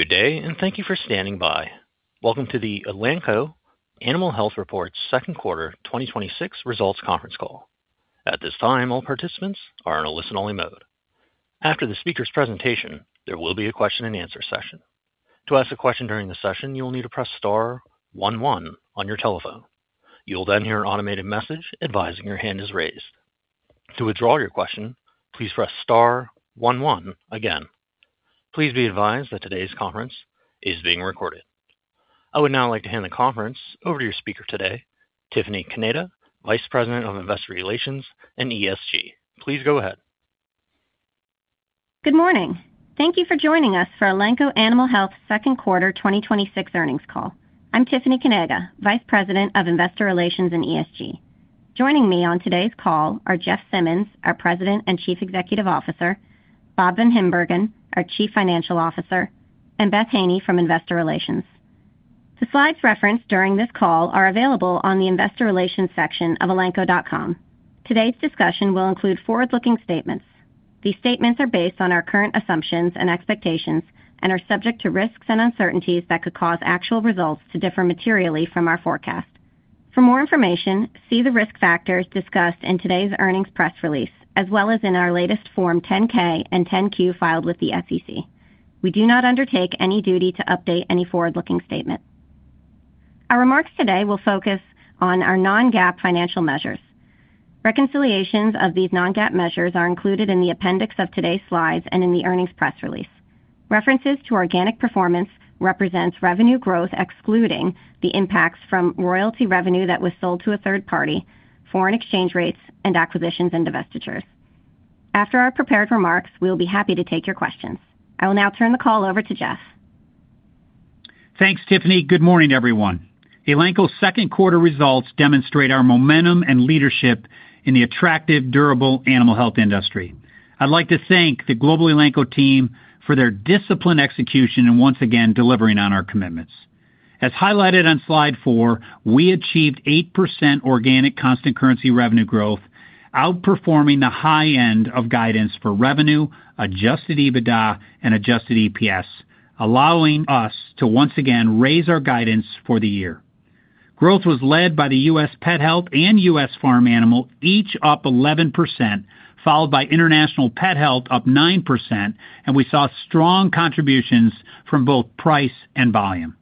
Good day. Thank you for standing by. Welcome to the Elanco Animal Health reports second quarter 2026 results conference call. At this time, all participants are in a listen-only mode. After the speaker's presentation, there will be a question-and-answer session. To ask a question during the session, you will need to press star one one on your telephone. You will then hear an automated message advising your hand is raised. To withdraw your question, please press star one one again. Please be advised that today's conference is being recorded. I would now like to hand the conference over to your speaker today, Tiffany Kanaga, Vice President of Investor Relations and ESG. Please go ahead. Good morning. Thank you for joining us for Elanco Animal Health second quarter 2026 earnings call. I'm Tiffany Kanaga, Vice President of Investor Relations and ESG. Joining me on today's call are Jeff Simmons, our President and Chief Executive Officer, Bob VanHimbergen, our Chief Financial Officer, and Beth Haney from Investor Relations. The slides referenced during this call are available on the Investor Relations section of elanco.com. Today's discussion will include forward-looking statements. These statements are based on our current assumptions and expectations and are subject to risks and uncertainties that could cause actual results to differ materially from our forecast. For more information, see the risk factors discussed in today's earnings press release, as well as in our latest Form 10-K and 10-Q filed with the SEC. We do not undertake any duty to update any forward-looking statement. Our remarks today will focus on our non-GAAP financial measures. Reconciliations of these non-GAAP measures are included in the appendix of today's slides and in the earnings press release. References to organic performance represents revenue growth excluding the impacts from royalty revenue that was sold to a third party, foreign exchange rates, and acquisitions and divestitures. After our prepared remarks, we'll be happy to take your questions. I will now turn the call over to Jeff. Thanks, Tiffany. Good morning, everyone. Elanco's second quarter results demonstrate our momentum and leadership in the attractive, durable animal health industry. I'd like to thank the global Elanco team for their disciplined execution and once again delivering on our commitments. As highlighted on slide four, we achieved 8% organic constant currency revenue growth, outperforming the high end of guidance for revenue, adjusted EBITDA, and adjusted EPS, allowing us to once again raise our guidance for the year. Growth was led by the U.S. pet health and U.S. farm animal, each up 11%, followed by international pet health up 9%, and we saw strong contributions from both price and volume.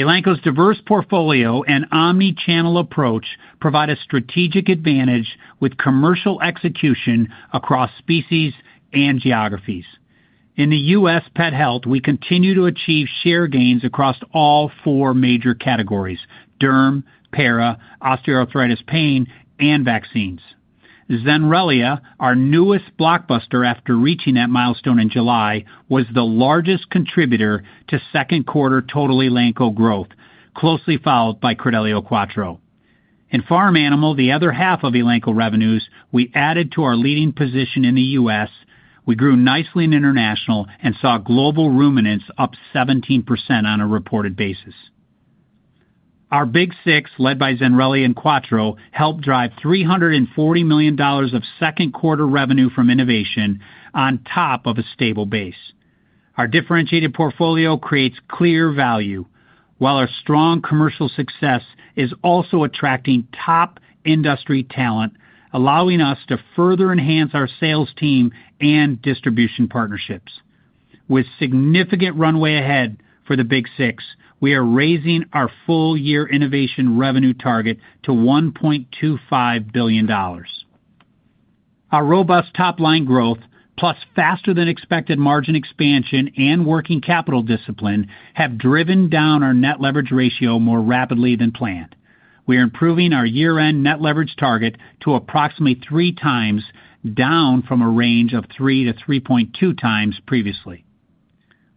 Elanco's diverse portfolio and omni-channel approach provide a strategic advantage with commercial execution across species and geographies. In the U.S. pet health, we continue to achieve share gains across all four major categories: derm, para, osteoarthritis pain, and vaccines. Zenrelia, our newest blockbuster after reaching that milestone in July, was the largest contributor to second quarter total Elanco growth, closely followed by Credelio Quattro. In farm animal, the other half of Elanco revenues, we added to our leading position in the U.S., we grew nicely in international, and saw global ruminants up 17% on a reported basis. Our Big Six, led by Zenrelia and Quattro, helped drive $340 million of second quarter revenue from innovation on top of a stable base. Our differentiated portfolio creates clear value while our strong commercial success is also attracting top industry talent, allowing us to further enhance our sales team and distribution partnerships. With significant runway ahead for the Big Six, we are raising our full-year innovation revenue target to $1.25 billion. Our robust top-line growth, plus faster than expected margin expansion and working capital discipline, have driven down our net leverage ratio more rapidly than planned. We are improving our year-end net leverage target to approximately 3x, down from a range of 3x-3.2x previously.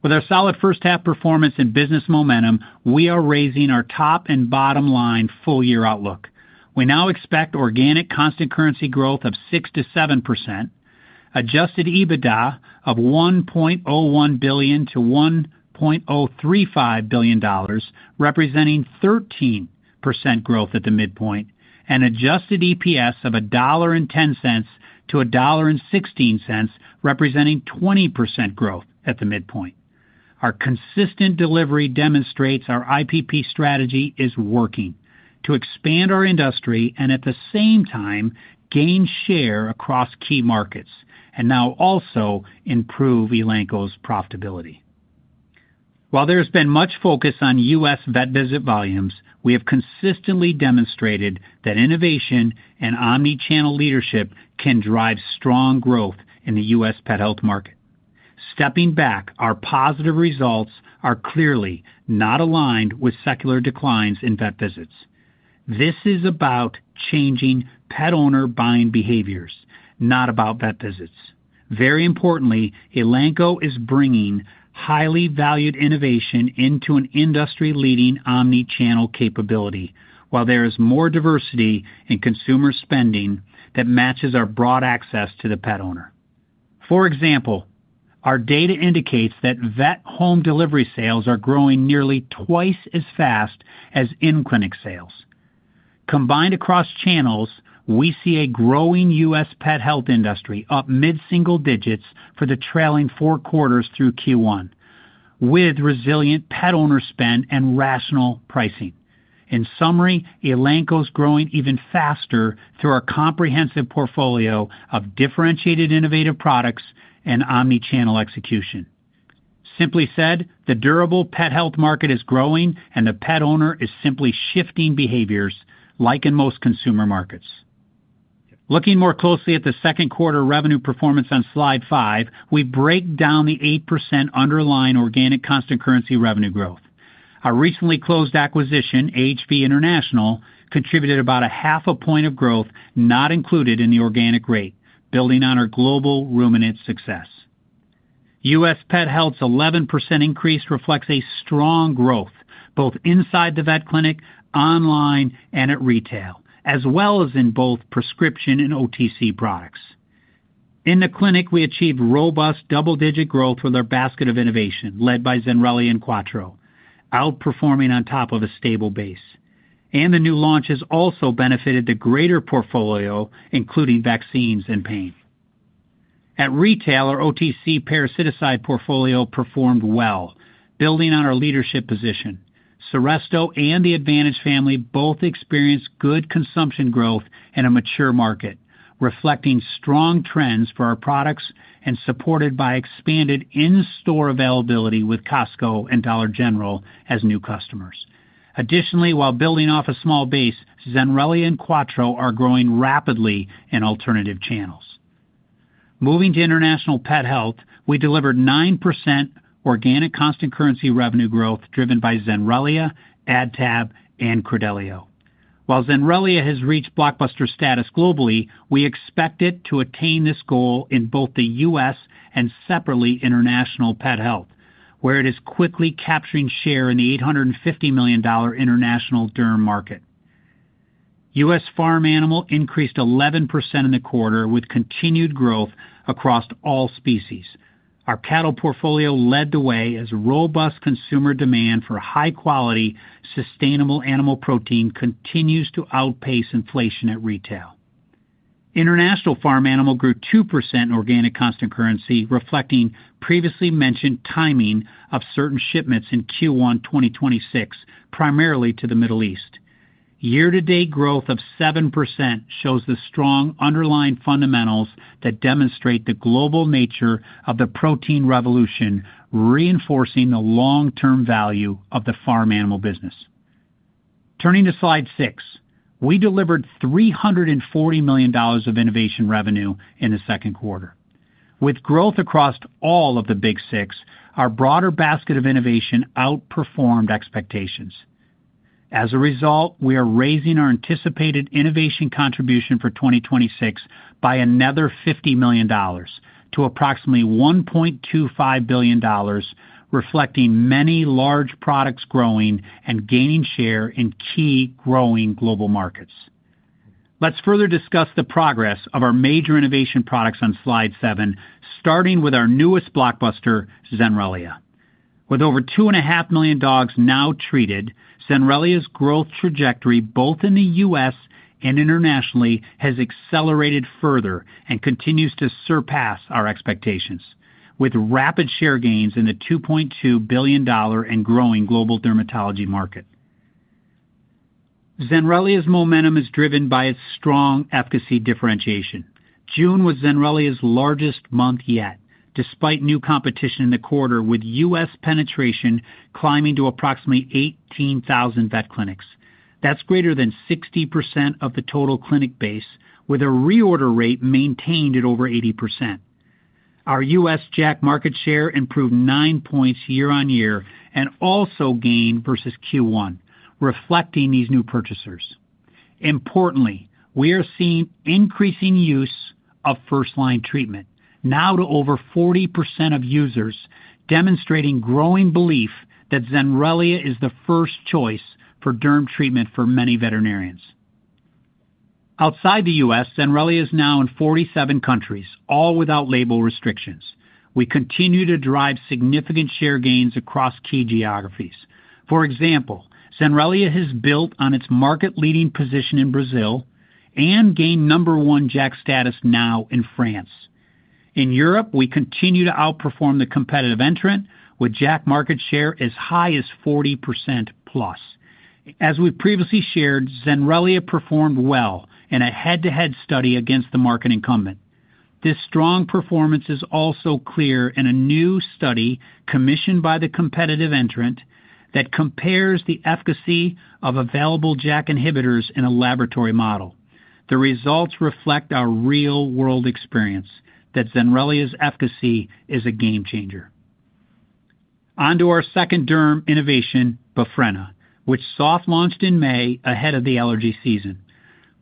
With our solid first half performance and business momentum, we are raising our top and bottom line full-year outlook. We now expect organic constant currency growth of 6%-7%, adjusted EBITDA of $1.01 billion-$1.035 billion, representing 13% growth at the midpoint, and adjusted EPS of $1.10-$1.16, representing 20% growth at the midpoint. Our consistent delivery demonstrates our IPP strategy is working to expand our industry and at the same time gain share across key markets and now also improve Elanco's profitability. There has been much focus on U.S. vet visit volumes, we have consistently demonstrated that innovation and omni-channel leadership can drive strong growth in the U.S. pet health market. Stepping back, our positive results are clearly not aligned with secular declines in vet visits. This is about changing pet owner buying behaviors, not about vet visits. Very importantly, Elanco is bringing highly valued innovation into an industry-leading omni-channel capability, where there is more diversity in consumer spending that matches our broad access to the pet owner. For example, our data indicates that vet home delivery sales are growing nearly twice as fast as in-clinic sales. Combined across channels, we see a growing U.S. pet health industry up mid-single digits for the trailing four quarters through Q1 with resilient pet owner spend and rational pricing. In summary, Elanco's growing even faster through our comprehensive portfolio of differentiated, innovative products and omni-channel execution. Simply said, the durable pet health market is growing, and the pet owner is simply shifting behaviors like in most consumer markets. Looking more closely at the second quarter revenue performance on slide five, we break down the 8% underlying organic constant currency revenue growth. Our recently closed acquisition, AHV International, contributed about a half a point of growth not included in the organic rate, building on our global ruminant success. U.S. pet health's 11% increase reflects a strong growth both inside the vet clinic, online and at retail, as well as in both prescription and OTC products. In the clinic, we achieved robust double-digit growth with our basket of innovation led by Zenrelia and Quattro, outperforming on top of a stable base. The new launches also benefited the greater portfolio, including vaccines and pain. At retail, our OTC parasiticide portfolio performed well, building on our leadership position. Seresto and the Advantage family both experienced good consumption growth in a mature market, reflecting strong trends for our products and supported by expanded in-store availability with Costco and Dollar General as new customers. Additionally, while building off a small base, Zenrelia and Quattro are growing rapidly in alternative channels. Moving to international pet health, we delivered 9% organic constant currency revenue growth driven by Zenrelia, AdTab, and Credelio. While Zenrelia has reached blockbuster status globally, we expect it to attain this goal in both the U.S. and separately international pet health, where it is quickly capturing share in the $850 million international derm market. U.S. farm animal increased 11% in the quarter with continued growth across all species. Our cattle portfolio led the way as robust consumer demand for high-quality, sustainable animal protein continues to outpace inflation at retail. International farm animal grew 2% in organic constant currency, reflecting previously mentioned timing of certain shipments in Q1 2026, primarily to the Middle East. Year-to-date growth of 7% shows the strong underlying fundamentals that demonstrate the global nature of the protein revolution, reinforcing the long-term value of the farm animal business. Turning to Slide six, we delivered $340 million of innovation revenue in the second quarter. With growth across all of the Big Six, our broader basket of innovation outperformed expectations. As a result, we are raising our anticipated innovation contribution for 2026 by another $50 million to approximately $1.25 billion, reflecting many large products growing and gaining share in key growing global markets. Let's further discuss the progress of our major innovation products on Slide seven, starting with our newest blockbuster, Zenrelia. With over 2,500,000 million dogs now treated, Zenrelia's growth trajectory, both in the U.S. and internationally, has accelerated further and continues to surpass our expectations with rapid share gains in the $2.2 billion and growing global dermatology market. Zenrelia's momentum is driven by its strong efficacy differentiation. June was Zenrelia's largest month yet, despite new competition in the quarter with U.S. penetration climbing to approximately 18,000 vet clinics. That's greater than 60% of the total clinic base with a reorder rate maintained at over 80%. Our U.S. JAK market share improved 9 points year-on-year and also gained versus Q1, reflecting these new purchasers. Importantly, we are seeing increasing use of first-line treatment now to over 40% of users, demonstrating growing belief that Zenrelia is the first choice for derm treatment for many veterinarians. Outside the U.S., Zenrelia is now in 47 countries, all without label restrictions. We continue to drive significant share gains across key geographies. For example, Zenrelia has built on its market-leading position in Brazil and gained number one JAK status now in France. In Europe, we continue to outperform the competitive entrant with JAK market share as high as 40%+. As we previously shared, Zenrelia performed well in a head-to-head study against the market incumbent. This strong performance is also clear in a new study commissioned by the competitive entrant that compares the efficacy of available JAK inhibitors in a laboratory model. The results reflect our real-world experience that Zenrelia's efficacy is a game changer. On to our second derm innovation, Befrena, which soft-launched in May ahead of the allergy season.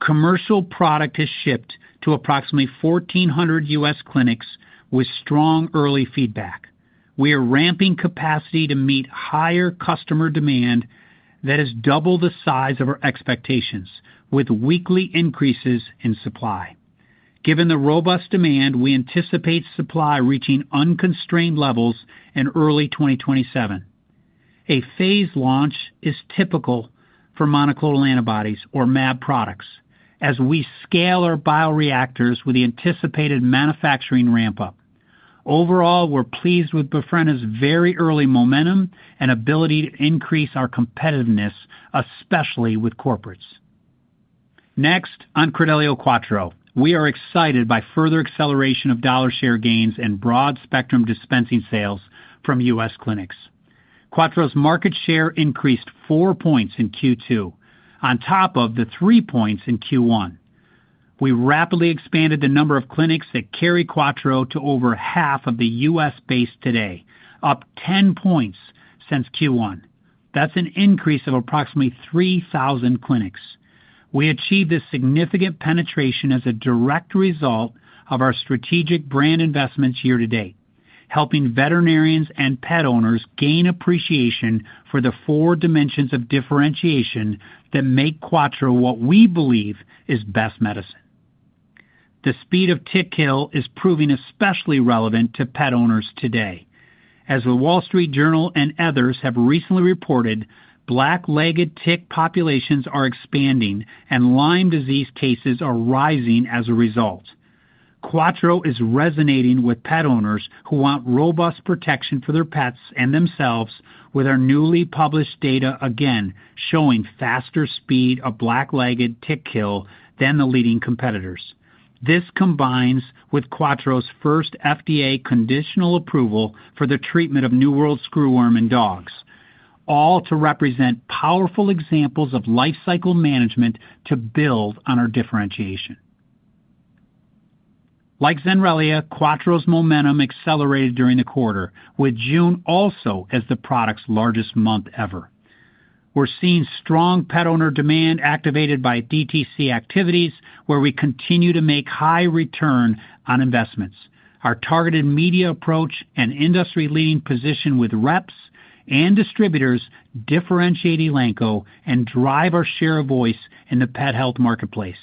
Commercial product has shipped to approximately 1,400 U.S. clinics with strong early feedback. We are ramping capacity to meet higher customer demand that is double the size of our expectations with weekly increases in supply. Given the robust demand, we anticipate supply reaching unconstrained levels in early 2027. A phased launch is typical for monoclonal antibodies or mAb products as we scale our bioreactors with the anticipated manufacturing ramp-up. Overall, we're pleased with Befrena's very early momentum and ability to increase our competitiveness, especially with corporates. Next, on Credelio Quattro. We are excited by further acceleration of dollar share gains and broad-spectrum dispensing sales from U.S. clinics. Quattro's market share increased 4 points in Q2 on top of the 3 points in Q1. We rapidly expanded the number of clinics that carry Quattro to over half of the U.S. base today, up 10 points since Q1. That's an increase of approximately 3,000 clinics. We achieved this significant penetration as a direct result of our strategic brand investments year-to-date, helping veterinarians and pet owners gain appreciation for the four dimensions of differentiation that make Quattro what we believe is best medicine. The speed of tick kill is proving especially relevant to pet owners today. As The Wall Street Journal and others have recently reported, blacklegged tick populations are expanding, and Lyme disease cases are rising as a result. Quattro is resonating with pet owners who want robust protection for their pets and themselves with our newly-published data again showing faster speed of blacklegged tick kill than the leading competitors. This combines with Quattro's first FDA conditional approval for the treatment of new world screw worm in dogs, all to represent powerful examples of life cycle management to build on our differentiation. Like Zenrelia, Quattro's momentum accelerated during the quarter, with June also as the product's largest month ever. We're seeing strong pet owner demand activated by DTC activities where we continue to make high return on investments. Our targeted media approach and industry-leading position with reps and distributors differentiate Elanco and drive our share of voice in the pet health marketplace.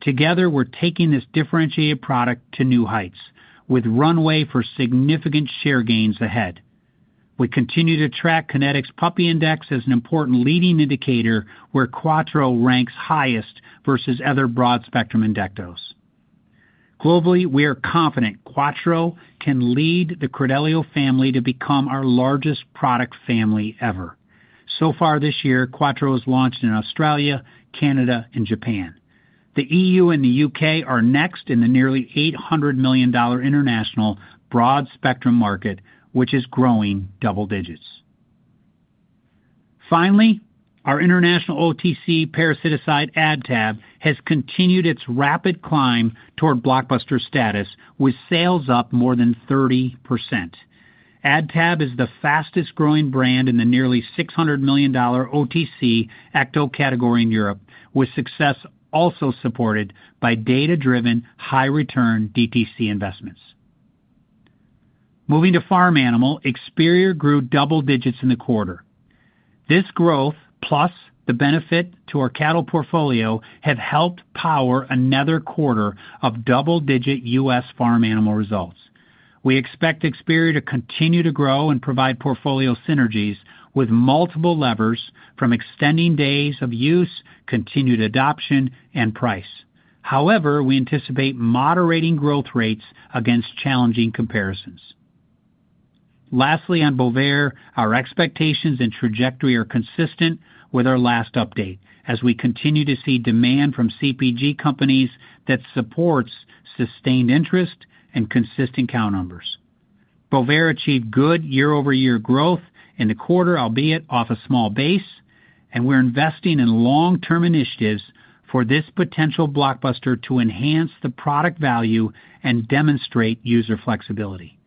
Together, we're taking this differentiated product to new heights, with runway for significant share gains ahead. We continue to track Kinetics Puppy Index as an important leading indicator where Quattro ranks highest versus other broad-spectrum endectos. Globally, we are confident Quattro can lead the Credelio family to become our largest product family ever. So far this year, Quattro was launched in Australia, Canada, and Japan. The EU and the U.K. are next in the nearly $800 million international broad-spectrum market, which is growing double digits. Our international OTC parasiticide AdTab has continued its rapid climb toward blockbuster status with sales up more than 30%. AdTab is the fastest-growing brand in the nearly $600 million OTC ecto category in Europe, with success also supported by data-driven, high-return DTC investments. To farm animal, Experior grew double digits in the quarter. This growth, plus the benefit to our cattle portfolio, have helped power another quarter of double-digit U.S. farm animal results. We expect Experior to continue to grow and provide portfolio synergies with multiple levers from extending days of use, continued adoption, and price. We anticipate moderating growth rates against challenging comparisons. Lastly, on Bovaer, our expectations and trajectory are consistent with our last update as we continue to see demand from CPG companies that supports sustained interest and consistent count numbers. Bovaer achieved good year-over-year growth in the quarter, albeit off a small base, and we're investing in long-term initiatives for this potential blockbuster to enhance the product value and demonstrate user flexibility.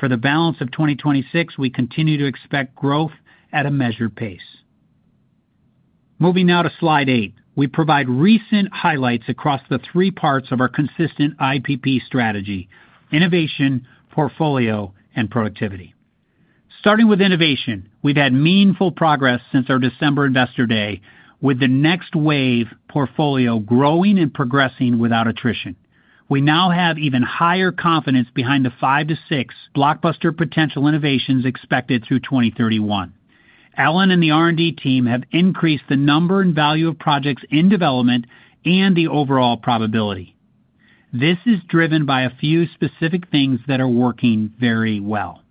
For the balance of 2026, we continue to expect growth at a measured pace. Moving now to slide eight, we provide recent highlights across the three parts of our consistent IPP strategy: innovation, portfolio, and productivity. Starting with innovation, we've had meaningful progress since our December Investor Day, with the next wave portfolio growing and progressing without attrition. We now have even higher confidence behind the five to six blockbuster potential innovations expected through 2031. Ellen and the R&D team have increased the number and value of projects in development and the overall probability. This is driven by a few specific things that are working very well.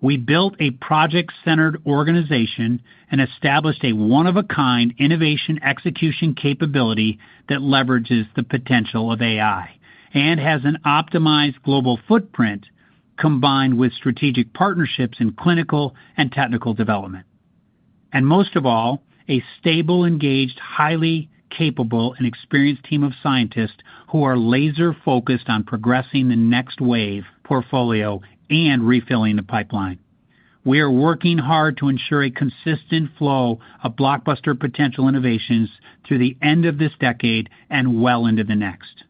We built a project-centered organization and established a one-of-a-kind innovation execution capability that leverages the potential of AI and has an optimized global footprint combined with strategic partnerships in clinical and technical development. Most of all, a stable, engaged, highly capable, and experienced team of scientists who are laser-focused on progressing the next wave portfolio and refilling the pipeline. We are working hard to ensure a consistent flow of blockbuster potential innovations through the end of this decade and well into the next.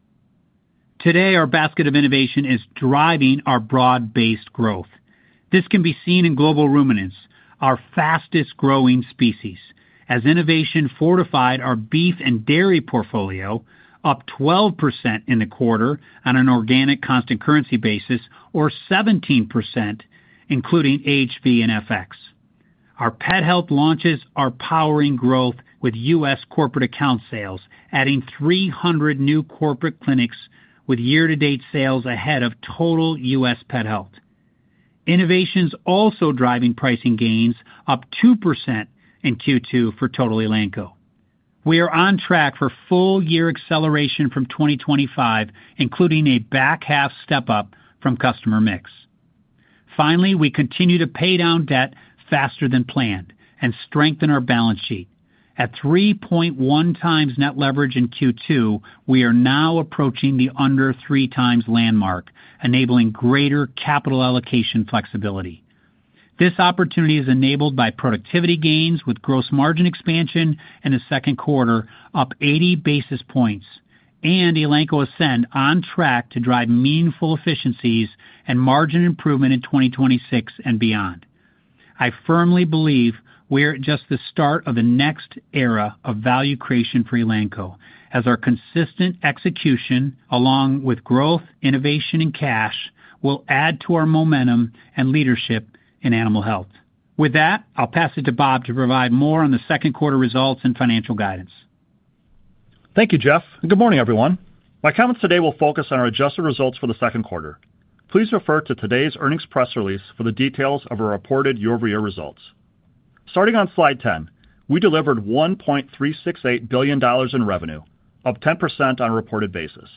Today, our basket of innovation is driving our broad-based growth. This can be seen in global ruminants, our fastest-growing species, as innovation fortified our beef and dairy portfolio, up 12% in the quarter on an organic constant currency basis, or 17%, including AHV and FX. Our pet health launches are powering growth with U.S. corporate account sales, adding 300 new corporate clinics with year-to-date sales ahead of total U.S. pet health. Innovation's also driving pricing gains up 2% in Q2 for total Elanco. We are on track for full-year acceleration from 2025, including a back half step-up from customer mix. Finally, we continue to pay down debt faster than planned and strengthen our balance sheet. At 3.1x net leverage in Q2, we are now approaching the under 3x landmark, enabling greater capital allocation flexibility. This opportunity is enabled by productivity gains with gross margin expansion in the second quarter up 80 basis points. Elanco Ascend on track to drive meaningful efficiencies and margin improvement in 2026 and beyond. I firmly believe we're at just the start of the next era of value creation for Elanco, as our consistent execution, along with growth, innovation, and cash, will add to our momentum and leadership in animal health. With that, I'll pass it to Bob to provide more on the second quarter results and financial guidance. Thank you, Jeff, and good morning, everyone. My comments today will focus on our adjusted results for the second quarter. Please refer to today's earnings press release for the details of our reported year-over-year results. Starting on slide 10, we delivered $1.368 billion in revenue, up 10% on a reported basis.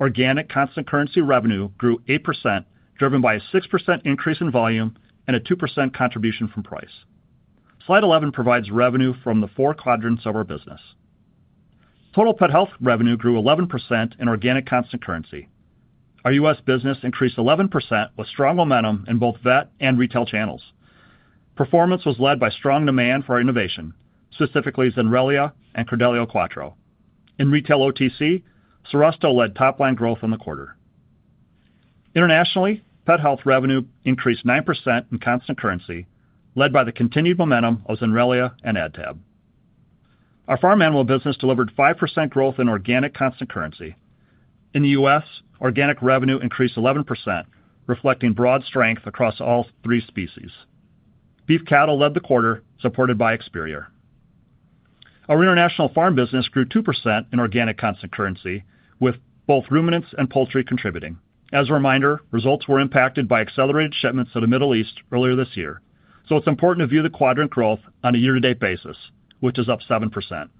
Organic constant currency revenue grew 8%, driven by a 6% increase in volume and a 2% contribution from price. Slide 11 provides revenue from the four quadrants of our business. Total pet health revenue grew 11% in organic constant currency. Our U.S. business increased 11% with strong momentum in both vet and retail channels. Performance was led by strong demand for our innovation, specifically Zenrelia and Credelio Quattro. In retail OTC, Seresto led top-line growth in the quarter. Internationally, pet health revenue increased 9% in constant currency, led by the continued momentum of Zenrelia and AdTab. Our farm animal business delivered 5% growth in organic constant currency. In the U.S., organic revenue increased 11%, reflecting broad strength across all three species. Beef cattle led the quarter, supported by Experior. Our international farm business grew 2% in organic constant currency, with both ruminants and poultry contributing. As a reminder, results were impacted by accelerated shipments to the Middle East earlier this year. It's important to view the quadrant growth on a year-to-date basis, which is up 7%.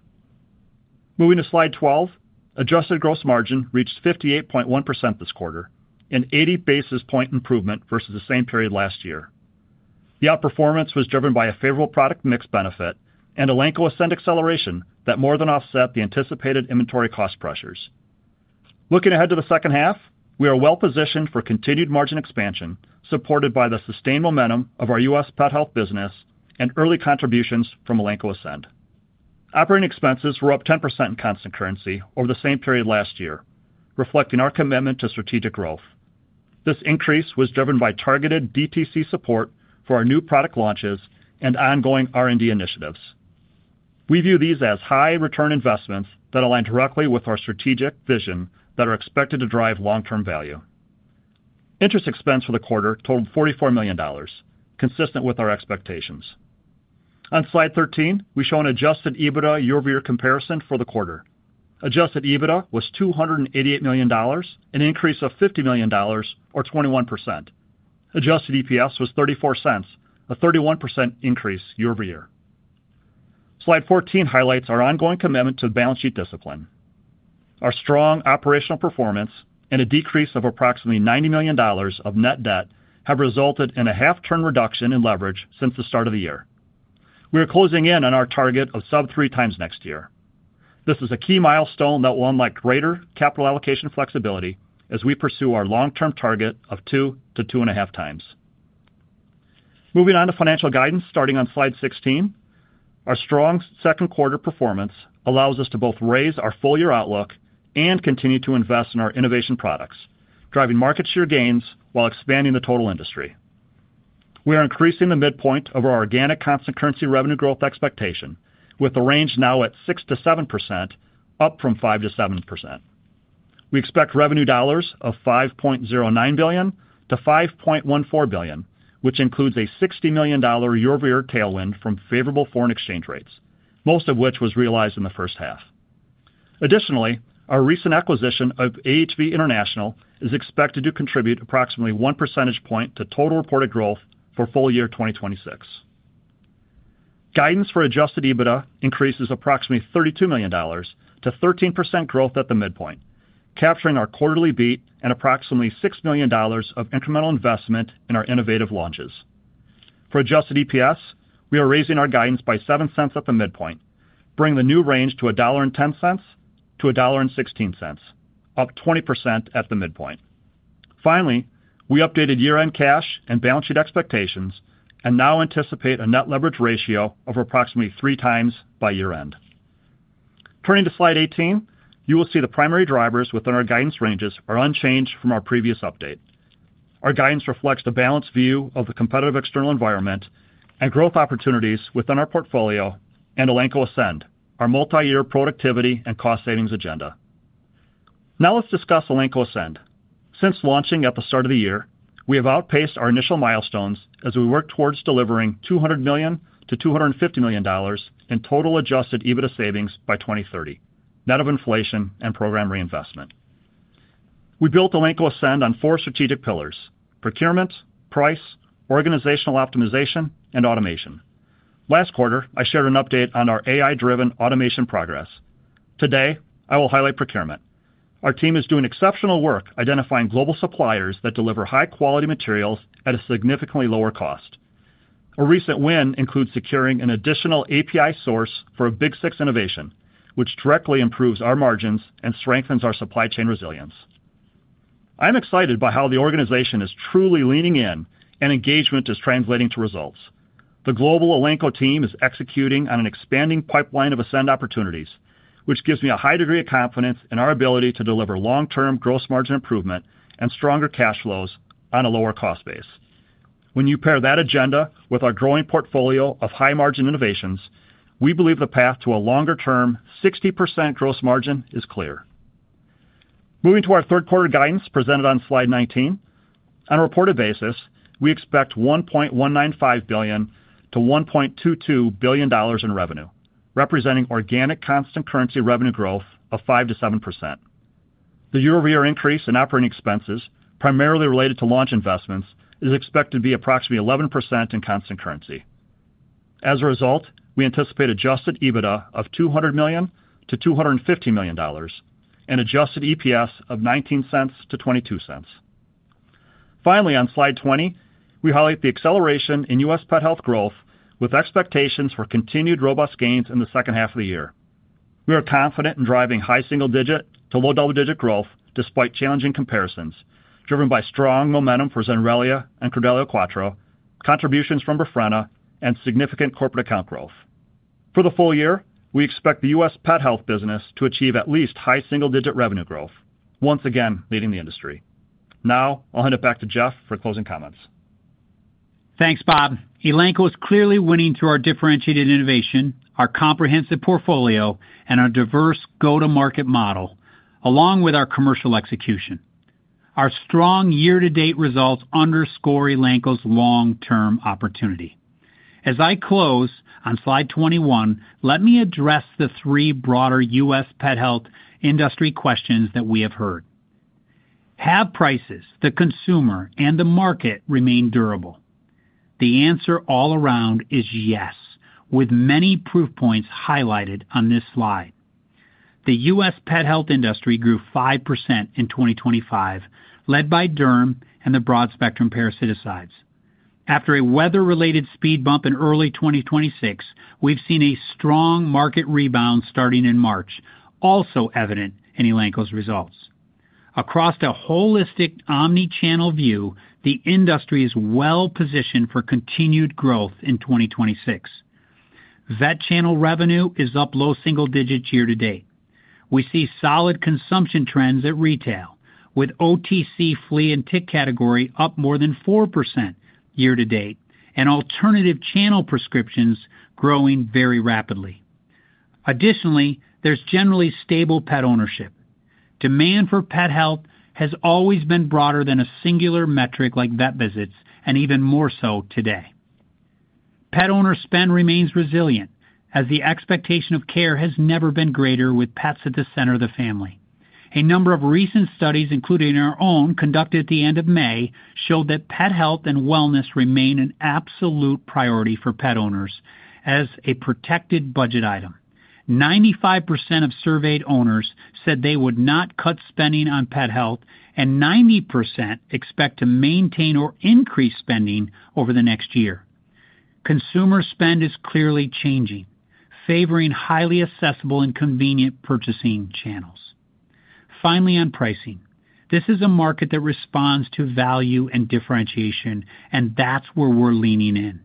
Moving to slide 12, adjusted gross margin reached 58.1% this quarter, an 80 basis point improvement versus the same period last year. The outperformance was driven by a favorable product mix benefit and Elanco Ascend acceleration that more than offset the anticipated inventory cost pressures. Looking ahead to the second half, we are well-positioned for continued margin expansion, supported by the sustained momentum of our U.S. pet health business and early contributions from Elanco Ascend. Operating expenses were up 10% in constant currency over the same period last year, reflecting our commitment to strategic growth. This increase was driven by targeted DTC support for our new product launches and ongoing R&D initiatives. We view these as high-return investments that align directly with our strategic vision that are expected to drive long-term value. Interest expense for the quarter totaled $44 million, consistent with our expectations. On slide 13, we show an adjusted EBITDA year-over-year comparison for the quarter. Adjusted EBITDA was $288 million, an increase of $50 million, or 21%. Adjusted EPS was $0.34, a 31% increase year-over-year. Slide 14 highlights our ongoing commitment to balance sheet discipline. Our strong operational performance and a decrease of approximately $90 million of net debt have resulted in a half-turn reduction in leverage since the start of the year. We are closing in on our target of sub-3x next year. This is a key milestone that will unlock greater capital allocation flexibility as we pursue our long-term target 2x-2.5x. Moving on to financial guidance, starting on slide 16. Our strong second quarter performance allows us to both raise our full-year outlook and continue to invest in our innovation products, driving market share gains while expanding the total industry. We are increasing the midpoint of our organic constant currency revenue growth expectation, with the range now at 6%-7%, up from 5%-7%. We expect revenue dollars of $5.09 billion-$5.14 billion, which includes a $60 million year-over-year tailwind from favorable foreign exchange rates, most of which was realized in the first half. Additionally, our recent acquisition of AHV International is expected to contribute approximately 1 percentage point to total reported growth for full year 2026. Guidance for adjusted EBITDA increases approximately $32 million to 13% growth at the midpoint, capturing our quarterly beat and approximately $6 million of incremental investment in our innovative launches. For adjusted EPS, we are raising our guidance by $0.07 at the midpoint, bringing the new range to $1.10-$1.16, up 20% at the midpoint. Finally, we updated year-end cash and balance sheet expectations and now anticipate a net leverage ratio of approximately 3x by year end. Turning to slide 18, you will see the primary drivers within our guidance ranges are unchanged from our previous update. Our guidance reflects the balanced view of the competitive external environment and growth opportunities within our portfolio and Elanco Ascend, our multi-year productivity and cost savings agenda. Let's discuss Elanco Ascend. Since launching at the start of the year, we have outpaced our initial milestones as we work towards delivering $200 million-$250 million in total adjusted EBITDA savings by 2030, net of inflation and program reinvestment. We built Elanco Ascend on four strategic pillars, procurement, price, organizational optimization, and automation. Last quarter, I shared an update on our AI-driven automation progress. Today, I will highlight procurement. Our team is doing exceptional work identifying global suppliers that deliver high-quality materials at a significantly lower cost. A recent win includes securing an additional API source for a Big Six innovation, which directly improves our margins and strengthens our supply chain resilience. I'm excited by how the organization is truly leaning in and engagement is translating to results. The global Elanco team is executing on an expanding pipeline of Ascend opportunities, which gives me a high degree of confidence in our ability to deliver long-term gross margin improvement and stronger cash flows on a lower cost base. When you pair that agenda with our growing portfolio of high-margin innovations, we believe the path to a longer-term 60% gross margin is clear. Moving to our third quarter guidance presented on slide 19. On a reported basis, we expect $1.195 billion-$1.22 billion in revenue, representing organic constant currency revenue growth of 5%-7%. The year-over-year increase in operating expenses, primarily related to launch investments, is expected to be approximately 11% in constant currency. As a result, we anticipate adjusted EBITDA of $200 million-$250 million and adjusted EPS of $0.19-$0.22. Finally, on slide 20, we highlight the acceleration in U.S. pet health growth with expectations for continued robust gains in the second half of the year. We are confident in driving high single-digit to low double-digit growth despite challenging comparisons driven by strong momentum for Zenrelia and Credelio Quattro, contributions from Befrena, and significant corporate account growth. For the full year, we expect the U.S. pet health business to achieve at least high single-digit revenue growth, once again leading the industry. I'll hand it back to Jeff for closing comments. Thanks, Bob. Elanco is clearly winning through our differentiated innovation, our comprehensive portfolio, and our diverse go-to-market model, along with our commercial execution. Our strong year-to-date results underscore Elanco's long-term opportunity. As I close on slide 21, let me address the three broader U.S. pet health industry questions that we have heard. Have prices, the consumer, and the market remained durable? The answer all around is yes, with many proof points highlighted on this slide. The U.S. pet health industry grew 5% in 2025, led by derm and the broad-spectrum parasiticides. After a weather-related speed bump in early 2026, we've seen a strong market rebound starting in March, also evident in Elanco's results. Across the holistic omni-channel view, the industry is well-positioned for continued growth in 2026. Vet channel revenue is up low single digits year-to-date. We see solid consumption trends at retail, with OTC flea and tick category up more than 4% year-to-date and alternative channel prescriptions growing very rapidly. Additionally, there's generally stable pet ownership. Demand for pet health has always been broader than a singular metric like vet visits, and even more so today. Pet owner spend remains resilient as the expectation of care has never been greater with pets at the center of the family. A number of recent studies, including our own conducted at the end of May, showed that pet health and wellness remain an absolute priority for pet owners as a protected budget item. 95% of surveyed owners said they would not cut spending on pet health, and 90% expect to maintain or increase spending over the next year. Consumer spend is clearly changing, favoring highly accessible and convenient purchasing channels. Finally, on pricing. This is a market that responds to value and differentiation, and that's where we're leaning in.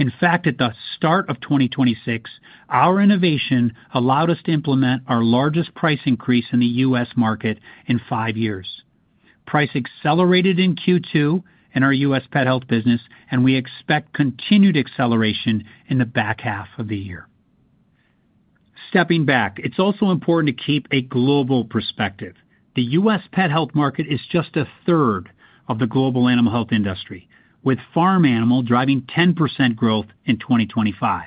In fact, at the start of 2026, our innovation allowed us to implement our largest price increase in the U.S. market in five years. Price accelerated in Q2 in our U.S. pet health business, and we expect continued acceleration in the back half of the year. Stepping back, it's also important to keep a global perspective. The U.S. pet health market is just 1/3 of the global animal health industry, with farm animal driving 10% growth in 2025.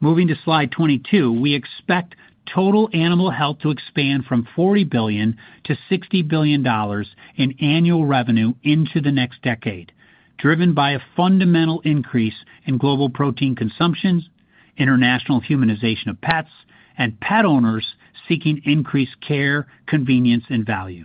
Moving to slide 22. We expect total animal health to expand from $40 billion to $60 billion in annual revenue into the next decade, driven by a fundamental increase in global protein consumption, international humanization of pets, and pet owners seeking increased care, convenience, and value.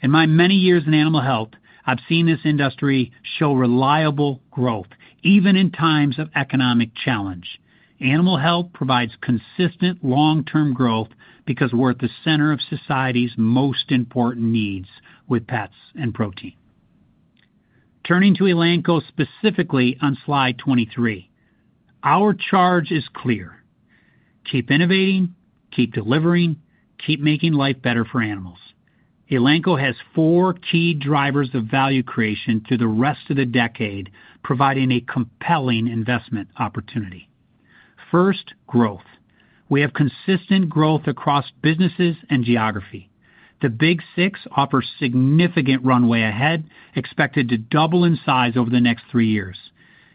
In my many years in animal health, I've seen this industry show reliable growth, even in times of economic challenge. Animal health provides consistent long-term growth because we're at the center of society's most important needs with pets and protein. Turning to Elanco specifically on slide 23. Our charge is clear: keep innovating, keep delivering, keep making life better for animals. Elanco has four key drivers of value creation through the rest of the decade, providing a compelling investment opportunity. First, growth. We have consistent growth across businesses and geography. The Big Six offer significant runway ahead, expected to double in size over the next three years.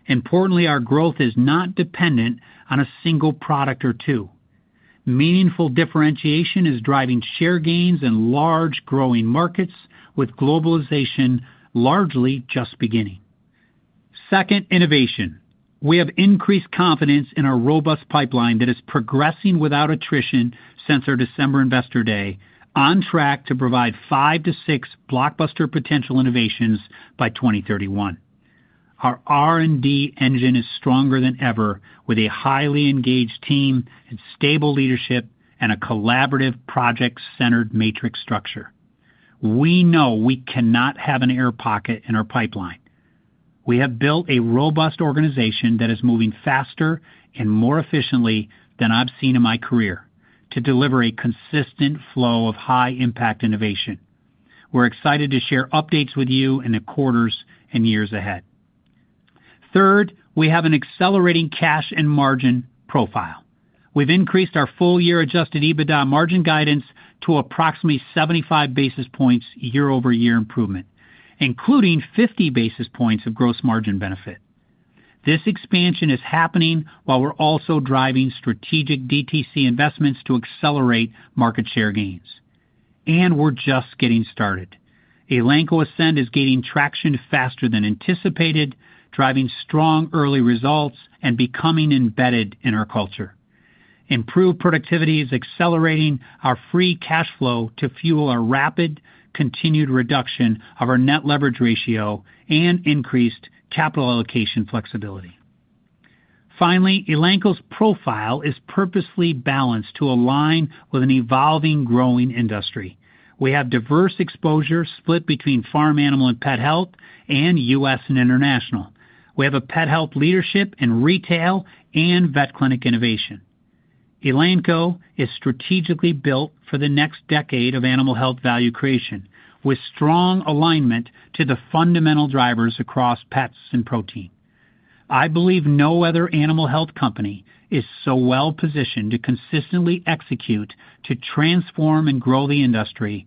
Importantly, our growth is not dependent on a single product or two. Meaningful differentiation is driving share gains in large growing markets, with globalization largely just beginning. Second, innovation. We have increased confidence in our robust pipeline that is progressing without attrition since our December investor day, on track to provide five to six blockbuster potential innovations by 2031. Our R&D engine is stronger than ever, with a highly engaged team and stable leadership and a collaborative project-centered matrix structure. We know we cannot have an air pocket in our pipeline. We have built a robust organization that is moving faster and more efficiently than I've seen in my career to deliver a consistent flow of high impact innovation. We're excited to share updates with you in the quarters and years ahead. Third, we have an accelerating cash and margin profile. We've increased our full year adjusted EBITDA margin guidance to approximately 75 basis points year-over-year improvement, including 50 basis points of gross margin benefit. This expansion is happening while we're also driving strategic DTC investments to accelerate market share gains. We're just getting started. Elanco Ascend is gaining traction faster than anticipated, driving strong early results and becoming embedded in our culture. Improved productivity is accelerating our free cash flow to fuel a rapid continued reduction of our net leverage ratio and increased capital allocation flexibility. Finally, Elanco's profile is purposely balanced to align with an evolving, growing industry. We have diverse exposure split between farm animal and pet health and U.S. and international. We have a pet health leadership in retail and vet clinic innovation. Elanco is strategically built for the next decade of animal health value creation, with strong alignment to the fundamental drivers across pets and protein. I believe no other animal health company is so well positioned to consistently execute, to transform and grow the industry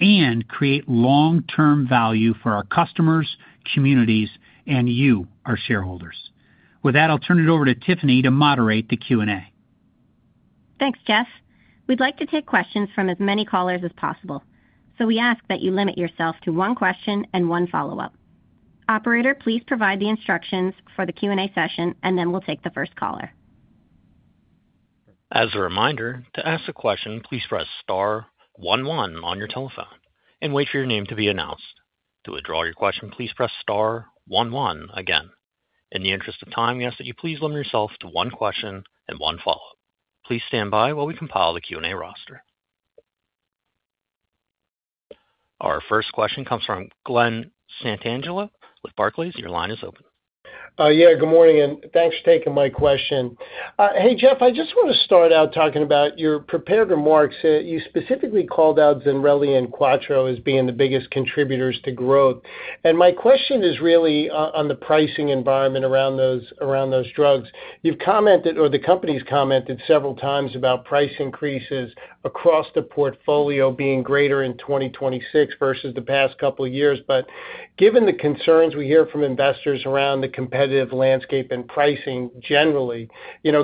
and create long-term value for our customers, communities and you, our shareholders. With that, I'll turn it over to Tiffany to moderate the Q&A. Thanks, Jeff. We'd like to take questions from as many callers as possible, so we ask that you limit yourself to one question and one follow-up. Operator, please provide the instructions for the Q&A session, and then we'll take the first caller. As a reminder, to ask a question, please press star one, one on your telephone and wait for your name to be announced. To withdraw your question, please press star one, one again. In the interest of time, we ask that you please limit yourself to one question and one follow-up. Please stand by while we compile the Q&A roster. Our first question comes from Glen Santangelo with Barclays. Your line is open. Good morning, thanks for taking my question. Hey, Jeff, I just want to start out talking about your prepared remarks. You specifically called out Zenrelia and Quattro as being the biggest contributors to growth. My question is really on the pricing environment around those drugs. You've commented, or the company's commented several times about price increases across the portfolio being greater in 2026 versus the past couple of years. Given the concerns we hear from investors around the competitive landscape and pricing generally,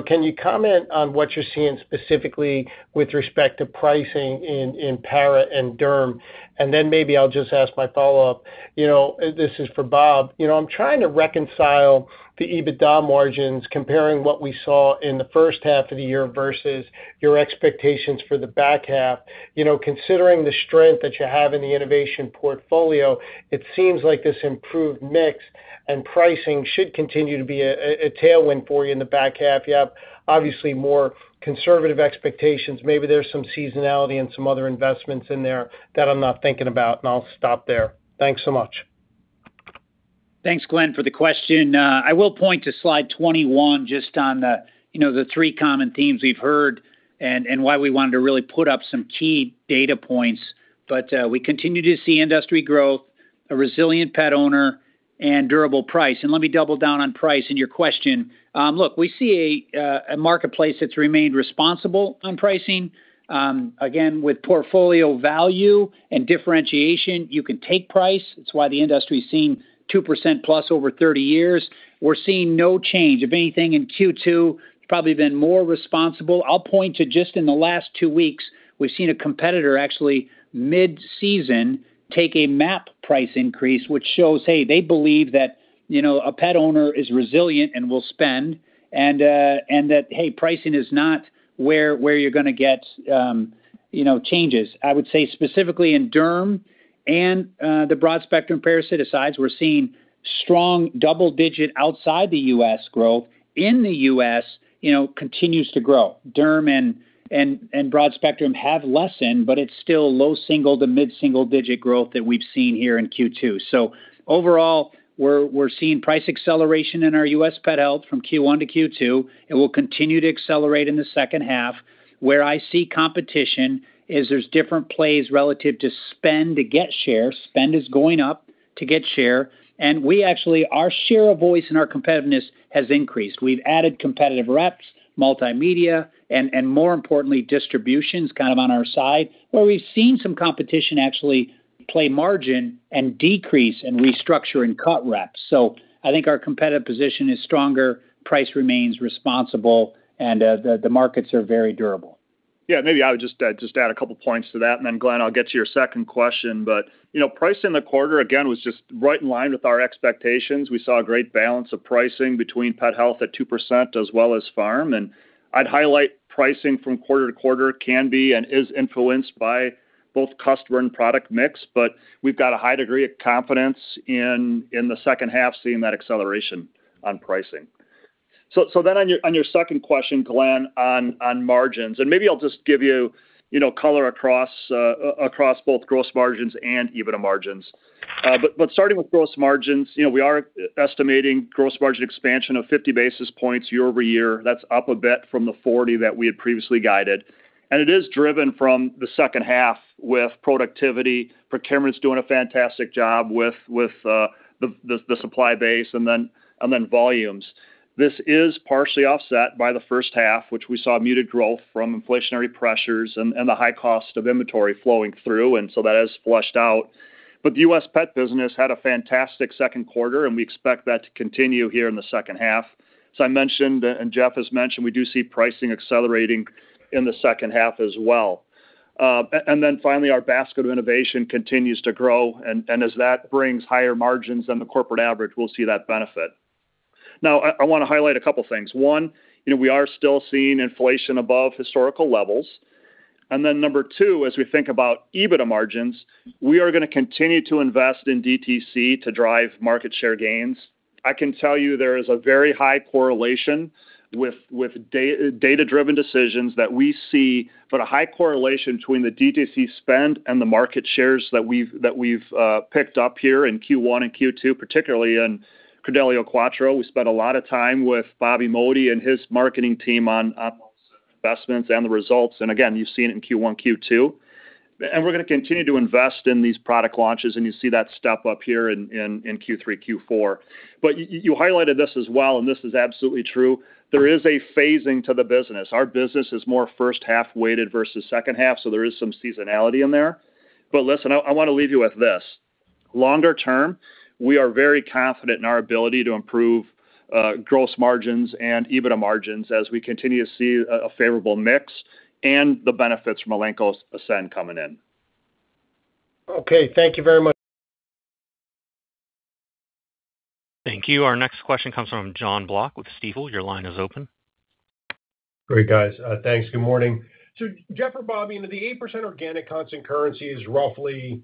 can you comment on what you're seeing specifically with respect to pricing in para and derm? Maybe I'll just ask my follow-up. This is for Bob. I'm trying to reconcile the EBITDA margins, comparing what we saw in the first half of the year versus your expectations for the back half. Considering the strength that you have in the innovation portfolio, it seems like this improved mix and pricing should continue to be a tailwind for you in the back half. You have obviously more conservative expectations. Maybe there's some seasonality and some other investments in there that I'm not thinking about. I'll stop there. Thanks so much. Thanks, Glen, for the question. I will point to slide 21 just on the three common themes we've heard and why we wanted to really put up some key data points. We continue to see industry growth, a resilient pet owner, and durable price. Let me double down on price in your question. Look, we see a marketplace that's remained responsible on pricing. Again, with portfolio value and differentiation, you can take price. It's why the industry's seen 2%+ over 30 years. We're seeing no change. If anything, in Q2, it's probably been more responsible. I'll point to just in the last two weeks, we've seen a competitor actually mid-season take a MAP price increase, which shows, hey, they believe that a pet owner is resilient and will spend and that, hey, pricing is not where you're going to get changes. I would say specifically in derm and the broad-spectrum parasiticides, we're seeing strong double-digit outside the U.S. growth. In the U.S., continues to grow. Derm and broad-spectrum have lessened, but it's still low single- to mid-single-digit growth that we've seen here in Q2. Overall, we're seeing price acceleration in our U.S. pet health from Q1 to Q2, and we'll continue to accelerate in the second half. Where I see competition is there's different plays relative to spend to get share, spend is going up to get share. Our share of voice in our competitiveness has increased. We've added competitive reps, multimedia, and more importantly, distributions on our side, where we've seen some competition actually play margin and decrease and restructure and cut reps. I think our competitive position is stronger, price remains responsible, and the markets are very durable. Yeah. Maybe I would just add a couple of points to that, then Glen, I'll get to your second question. Pricing in the quarter, again, was just right in line with our expectations. We saw a great balance of pricing between pet health at 2% as well as farm. I'd highlight pricing from quarter-to-quarter can be and is influenced by both customer and product mix. We've got a high degree of confidence in the second half, seeing that acceleration on pricing. On your second question, Glen, on margins, maybe I'll just give you color across both gross margins and EBITDA margins. Starting with gross margins, we are estimating gross margin expansion of 50 basis points year-over-year. That's up a bit from the 40 that we had previously guided, and it is driven from the second half with productivity. Procurement is doing a fantastic job with the supply base then volumes. This is partially offset by the first half, which we saw muted growth from inflationary pressures and the high cost of inventory flowing through. That has flushed out. The U.S. pet business had a fantastic second quarter, and we expect that to continue here in the second half. As I mentioned, Jeff has mentioned, we do see pricing accelerating in the second half as well. Finally, our basket of innovation continues to grow, and as that brings higher margins than the corporate average, we'll see that benefit. I want to highlight a couple things. One, we are still seeing inflation above historical levels. Number two, as we think about EBITDA margins, we are going to continue to invest in DTC to drive market share gains. I can tell you there is a very high correlation with data-driven decisions that we see, or a high correlation between the DTC spend and the market shares that we've picked up here in Q1 and Q2, particularly in Credelio Quattro. We spent a lot of time with Bobby Modi and his marketing team on those investments and the results. Again, you've seen it in Q1, Q2. We're going to continue to invest in these product launches, and you see that step-up here in Q3, Q4. You highlighted this as well, and this is absolutely true. There is a phasing to the business. Our business is more first-half weighted versus second half, so there is some seasonality in there. Listen, I want to leave you with this. Longer term, we are very confident in our ability to improve gross margins and EBITDA margins as we continue to see a favorable mix and the benefits from Elanco Ascend coming in. Okay. Thank you very much. Thank you. Our next question comes from Jon Block with Stifel. Your line is open. Great, guys. Thanks. Good morning. Jeff or Bobby, the 8% organic constant currency is roughly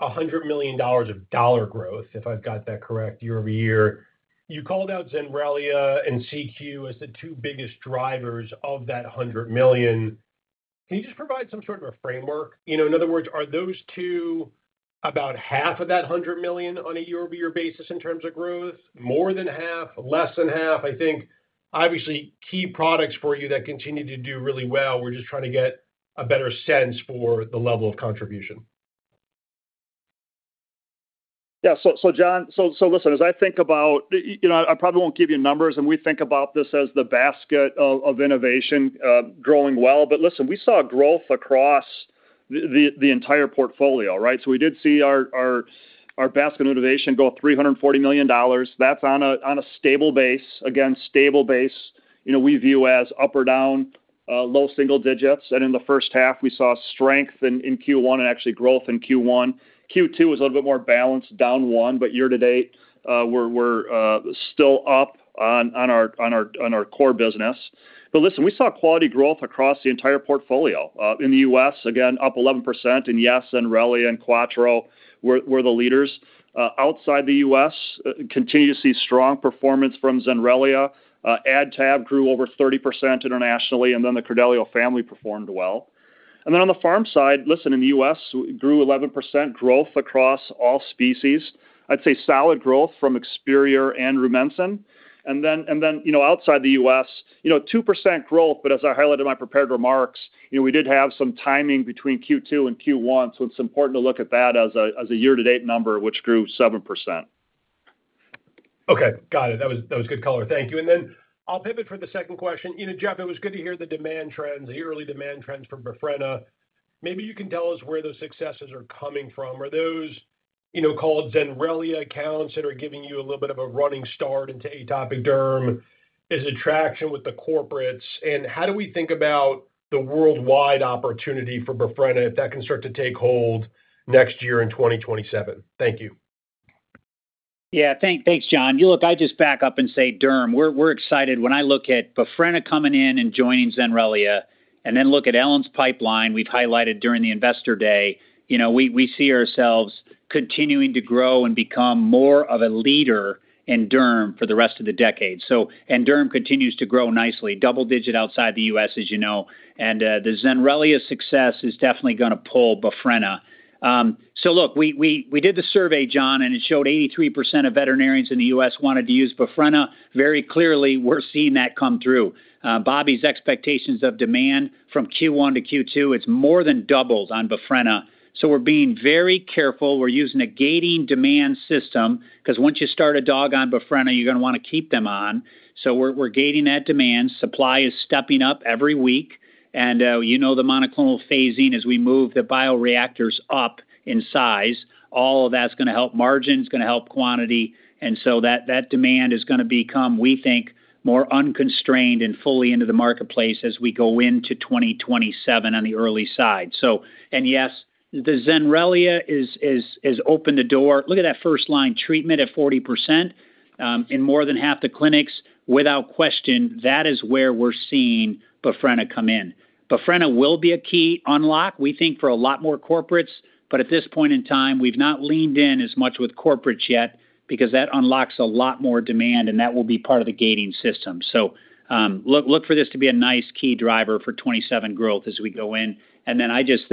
$100 million of dollar growth, if I've got that correct, year-over-year. You called out Zenrelia and CQ as the two biggest drivers of that $100 million. Can you just provide some sort of a framework? In other words, are those two about half of that $100 million on a year-over-year basis in terms of growth? More than half? Less than half? I think obviously key products for you that continue to do really well, we're just trying to get a better sense for the level of contribution. Yeah. Jon, listen, as I think about I probably won't give you numbers, and we think about this as the basket of innovation growing well. Listen, we saw growth across the entire portfolio, right? We did see our basket of innovation grow $340 million. That's on a stable base. Again, stable base, we view as up or down low single digits. In the first half, we saw strength in Q1 and actually growth in Q1. Q2 was a little bit more balanced, down one. Year-to-date, we're still up on our core business. Listen, we saw quality growth across the entire portfolio. In the U.S., again, up 11%, and yes, Zenrelia and Quattro were the leaders. Outside the U.S., continue to see strong performance from Zenrelia. AdTab grew over 30% internationally, and then the Credelio family performed well. On the farm side, listen, in the U.S., grew 11% growth across all species. I'd say solid growth from Experior and Rumensin. Outside the U.S., 2% growth, but as I highlighted in my prepared remarks, we did have some timing between Q2 and Q1, so it's important to look at that as a year-to-date number, which grew 7%. Okay. Got it. That was good color. Thank you. I'll pivot for the second question. Jeff, it was good to hear the demand trends, the early demand trends for Befrena. Maybe you can tell us where those successes are coming from. Are those called Zenrelia accounts that are giving you a little bit of a running start into atopic derm? Is it traction with the corporates, how do we think about the worldwide opportunity for Befrena, if that can start to take hold next year in 2027? Thank you. Thanks, Jon. I just back up and say derm. We're excited when I look at Befrena coming in and joining Zenrelia and then look at Ellen's pipeline we've highlighted during the Investor Day. We see ourselves continuing to grow and become more of a leader in derm for the rest of the decade. Derm continues to grow nicely, double digit outside the U.S., as you know. The Zenrelia success is definitely going to pull Befrena. We did the survey, Jon, and it showed 83% of veterinarians in the U.S. wanted to use Befrena. Very clearly, we're seeing that come through. Bobby's expectations of demand from Q1 to Q2, it's more than doubled on Befrena. We're being very careful. We're using a gating demand system because once you start a dog on Befrena, you're going to want to keep them on. We're gating that demand. Supply is stepping up every week. You know the monoclonal phasing as we move the bioreactors up in size, all of that's going to help margin, it's going to help quantity, and that demand is going to become, we think, more unconstrained and fully into the marketplace as we go into 2027 on the early side. Yes, the Zenrelia has opened the door. Look at that first-line treatment at 40% in more than half the clinics. Without question, that is where we're seeing Befrena come in. Befrena will be a key unlock, we think, for a lot more corporates, but at this point in time, we've not leaned in as much with corporates yet because that unlocks a lot more demand and that will be part of the gating system. Look for this to be a nice key driver for 2027 growth as we go in. I just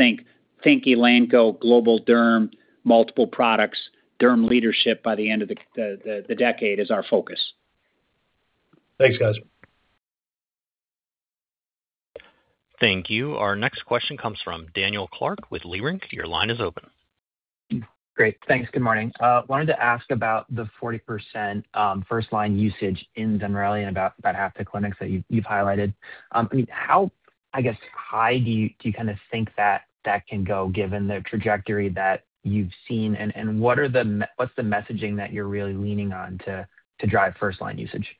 think Elanco, global derm, multiple products, derm leadership by the end of the decade is our focus. Thanks, guys. Thank you. Our next question comes from Daniel Clark with Leerink. Your line is open. Great. Thanks. Good morning. Wanted to ask about the 40% first-line usage in Zenrelia in about half the clinics that you've highlighted. How high do you think that can go given the trajectory that you've seen, and what's the messaging that you're really leaning on to drive first-line usage?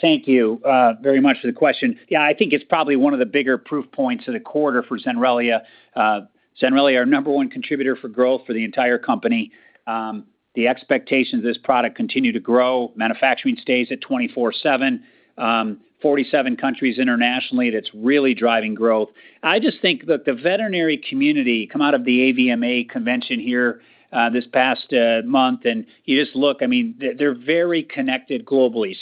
Thank you very much for the question. I think it's probably one of the bigger proof points of the quarter for Zenrelia. Zenrelia, our number one contributor for growth for the entire company. The expectations of this product continue to grow. Manufacturing stays at 24/7. 47 countries internationally that's really driving growth. I just think that the veterinary community come out of the AVMA convention here this past month, and you just look, they're very connected globally.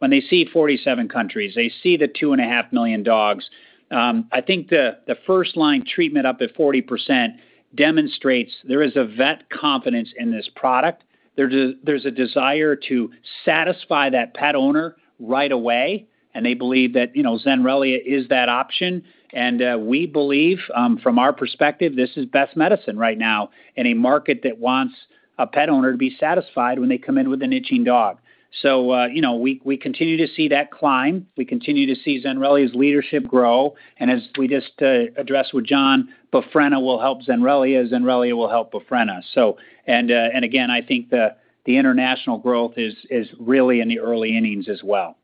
When they see 47 countries, they see the 2,500,000 million dogs. I think the first-line treatment up at 40% demonstrates there is a vet confidence in this product. There's a desire to satisfy that pet owner right away, and they believe that Zenrelia is that option. We believe from our perspective, this is the best medicine right now in a market that wants a pet owner to be satisfied when they come in with an itching dog. We continue to see that climb. We continue to see Zenrelia's leadership grow. As we just addressed with Jon, Befrena will help Zenrelia will help Befrena. Again, I think the international growth is really in the early innings as well.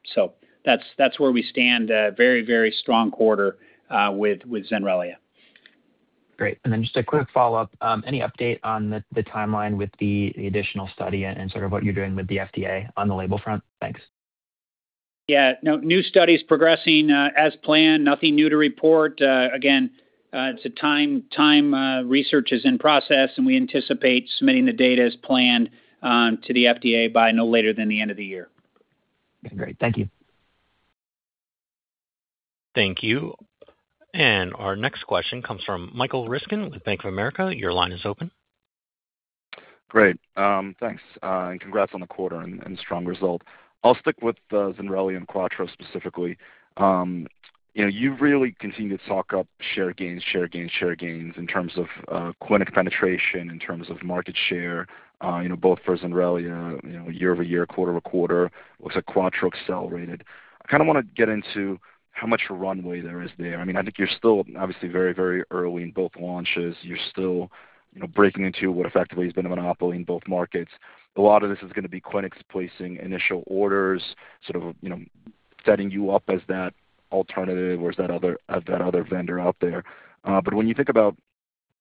That's where we stand. A very strong quarter with Zenrelia. Great. Then just a quick follow-up. Any update on the timeline with the additional study and sort of what you're doing with the FDA on the label front? Thanks. No, new study's progressing as planned. Nothing new to report. Again, it's a time research is in process, and we anticipate submitting the data as planned to the FDA by no later than the end of the year. Okay, great. Thank you. Thank you. Our next question comes from Michael Ryskin with Bank of America. Your line is open. Great. Thanks, and congrats on the quarter and strong result. I'll stick with Zenrelia and Quattro specifically. You've really continued to talk up share gains in terms of clinic penetration, in terms of market share, both for Zenrelia year-over-year, quarter-over-quarter. Looks like Quattro accelerated. I kind of want to get into how much runway there is there. I think you're still obviously very early in both launches. You're still breaking into what effectively has been a monopoly in both markets. A lot of this is going to be clinics placing initial orders, sort of setting you up as that alternative or as that other vendor out there. When you think about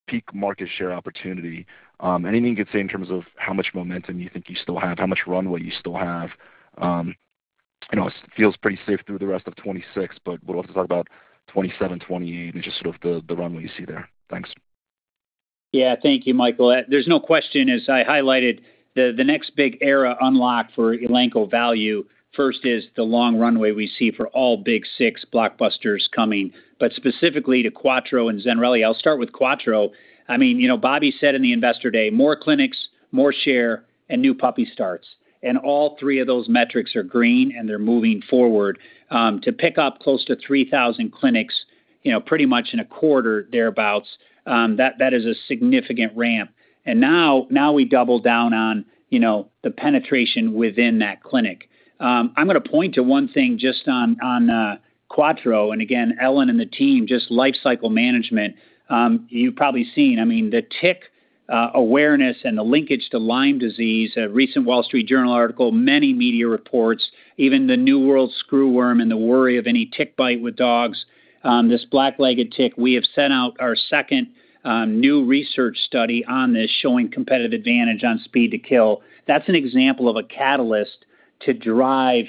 peak market share opportunity, anything you could say in terms of how much momentum you think you still have, how much runway you still have? I know it feels pretty safe through the rest of 2026, what about 2027, 2028, and just sort of the runway you see there? Thanks. Yeah. Thank you, Michael. There's no question, as I highlighted, the next big era unlock for Elanco value first is the long runway we see for all Big Six blockbusters coming, specifically to Quattro and Zenrelia. I'll start with Quattro. Bobby said in the Investor Day, more clinics, more share, and new puppy starts. All three of those metrics are green and they're moving forward. To pick up close to 3,000 clinics pretty much in a quarter thereabouts, that is a significant ramp. Now we double down on the penetration within that clinic. I'm going to point to one thing just on Quattro, Ellen and the team, just life cycle management. You've probably seen, the tick awareness and the linkage to Lyme disease, a recent Wall Street Journal article, many media reports, even the New World screw worm and the worry of any tick bite with dogs. This black-legged tick, we have sent out our second new research study on this showing competitive advantage on speed to kill. That's an example of a catalyst to drive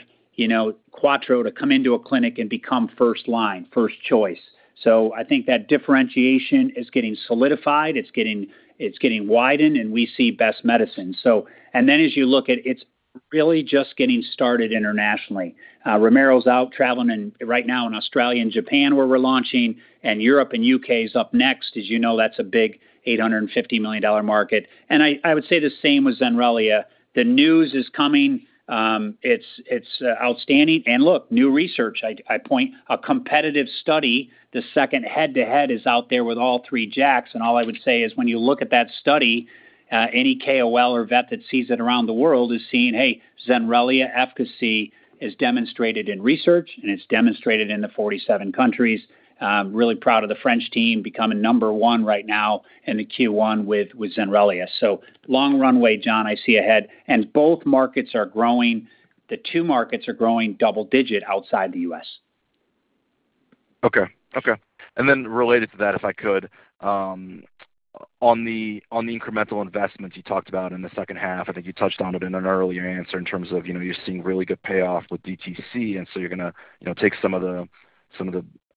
Quattro to come into a clinic and become first line, first choice. I think that differentiation is getting solidified, it's getting widened, and we see best medicine. Then as you look at, it's really just getting started internationally. Romero's out traveling right now in Australia and Japan, where we're launching, and Europe and U.K. is up next. As you know, that's a big $850 million market. I would say the same with Zenrelia. The news is coming. It's outstanding. Look, new research, I point a competitive study. The second head-to-head is out there with all three JAKs, all I would say is when you look at that study, any KOL or vet that sees it around the world is seeing, hey, Zenrelia efficacy is demonstrated in research and it's demonstrated in the 47 countries. Really proud of the French team becoming number one right now in the Q1 with Zenrelia. Long runway, Jon, I see ahead. Both markets are growing, the two markets are growing double digit outside the U.S. Okay. Related to that, if I could, on the incremental investments you talked about in the second half, I think you touched on it in an earlier answer in terms of you're seeing really good payoff with DTC, so you're going to take some of the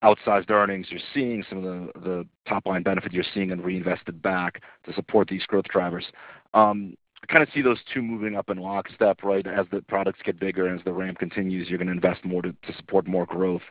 outsized earnings you're seeing, some of the top-line benefit you're seeing and reinvest it back to support these growth drivers. I kind of see those two moving up in lockstep, right? As the products get bigger, and as the ramp continues, you're going to invest more to support more growth.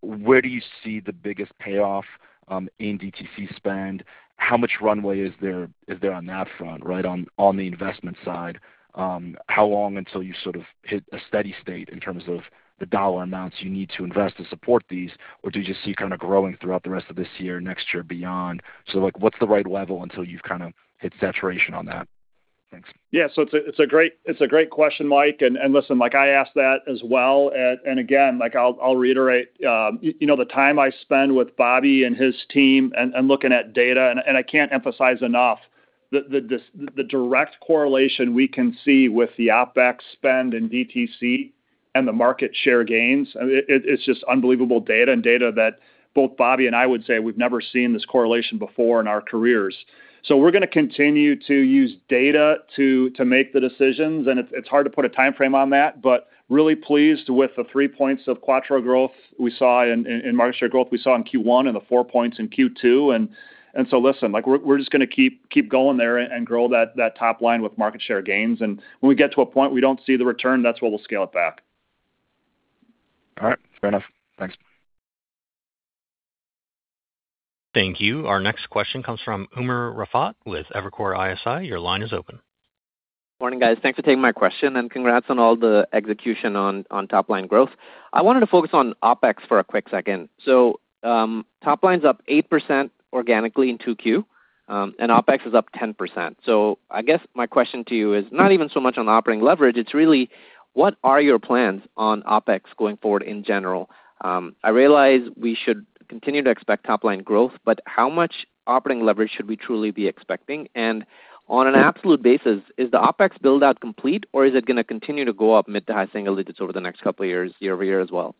Where do you see the biggest payoff in DTC spend? How much runway is there on that front, right, on the investment side? How long until you sort of hit a steady state in terms of the dollar amounts you need to invest to support these? Do you just see kind of growing throughout the rest of this year, next year, beyond? What's the right level until you've kind of hit saturation on that? Thanks. Yeah, it's a great question, Mike. Listen, I asked that as well, again, I'll reiterate. The time I spend with Bobby and his team and looking at data, I can't emphasize enough the direct correlation we can see with the OpEx spend and DTC and the market share gains. It's just unbelievable data and data that both Bobby and I would say we've never seen this correlation before in our careers. We're going to continue to use data to make the decisions, and it's hard to put a timeframe on that, but really pleased with the 3 points of Quattro growth we saw in market share growth we saw in Q1 and the 4 points in Q2. Listen, we're just going to keep going there and grow that top line with market share gains. When we get to a point we don't see the return, that's when we'll scale it back. All right, fair enough. Thanks. Thank you. Our next question comes from Umer Raffat with Evercore ISI. Your line is open. Morning, guys. Thanks for taking my question and congrats on all the execution on top-line growth. I wanted to focus on OpEx for a quick second. Top line's up 8% organically in 2Q, and OpEx is up 10%. I guess my question to you is not even so much on operating leverage, it's really what are your plans on OpEx going forward in general? I realize we should continue to expect top-line growth, but how much operating leverage should we truly be expecting? On an absolute basis, is the OpEx build-out complete, or is it going to continue to go up mid to high single digits over the next couple of years, year-over-year as well?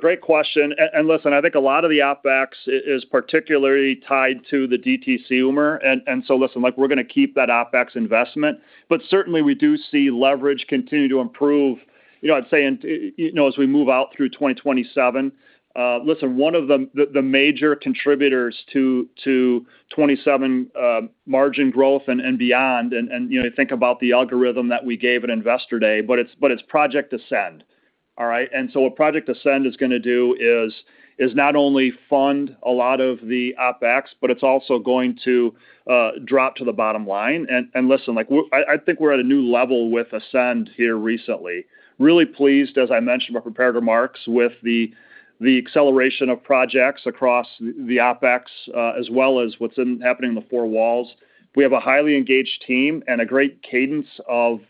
Great question, listen, I think a lot of the OpEx is particularly tied to the DTC, Umer, listen, we're going to keep that OpEx investment, but certainly we do see leverage continue to improve, I'd say, as we move out through 2027. Listen, one of the major contributors to 2027 margin growth and beyond, think about the algorithm that we gave at Investor Day, it's Project Ascend. All right? What Project Ascend is going to do is not only fund a lot of the OpEx, but it's also going to drop to the bottom line. Listen, I think we're at a new level with Ascend here recently. Really pleased, as I mentioned in my prepared remarks, with the acceleration of projects across the OpEx, as well as what's happening in the four walls. We have a highly engaged team and a great cadence of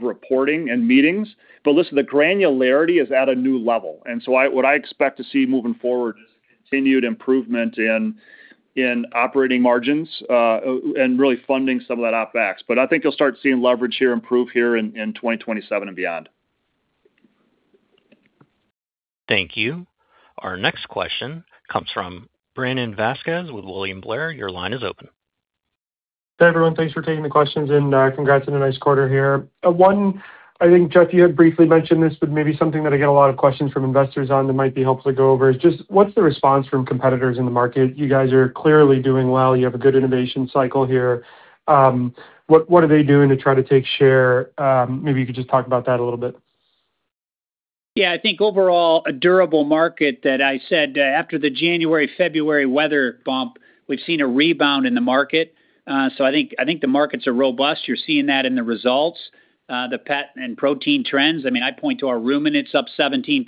reporting and meetings. Listen, the granularity is at a new level. What I expect to see moving forward is continued improvement in operating margins, and really funding some of that OpEx. I think you'll start seeing leverage here improve here in 2027 and beyond. Thank you. Our next question comes from Brandon Vazquez with William Blair. Your line is open. Hi, everyone. Thanks for taking the questions and congrats on a nice quarter here. One, I think, Jeff, you had briefly mentioned this, maybe something that I get a lot of questions from investors on that might be helpful to go over is just what's the response from competitors in the market? You guys are clearly doing well. You have a good innovation cycle here. What are they doing to try to take share? Maybe you could just talk about that a little bit. I think overall, a durable market that I said after the January-February weather bump, we've seen a rebound in the market. I think the markets are robust. You're seeing that in the results. The pet and protein trends, I point to our ruminants, up 17%.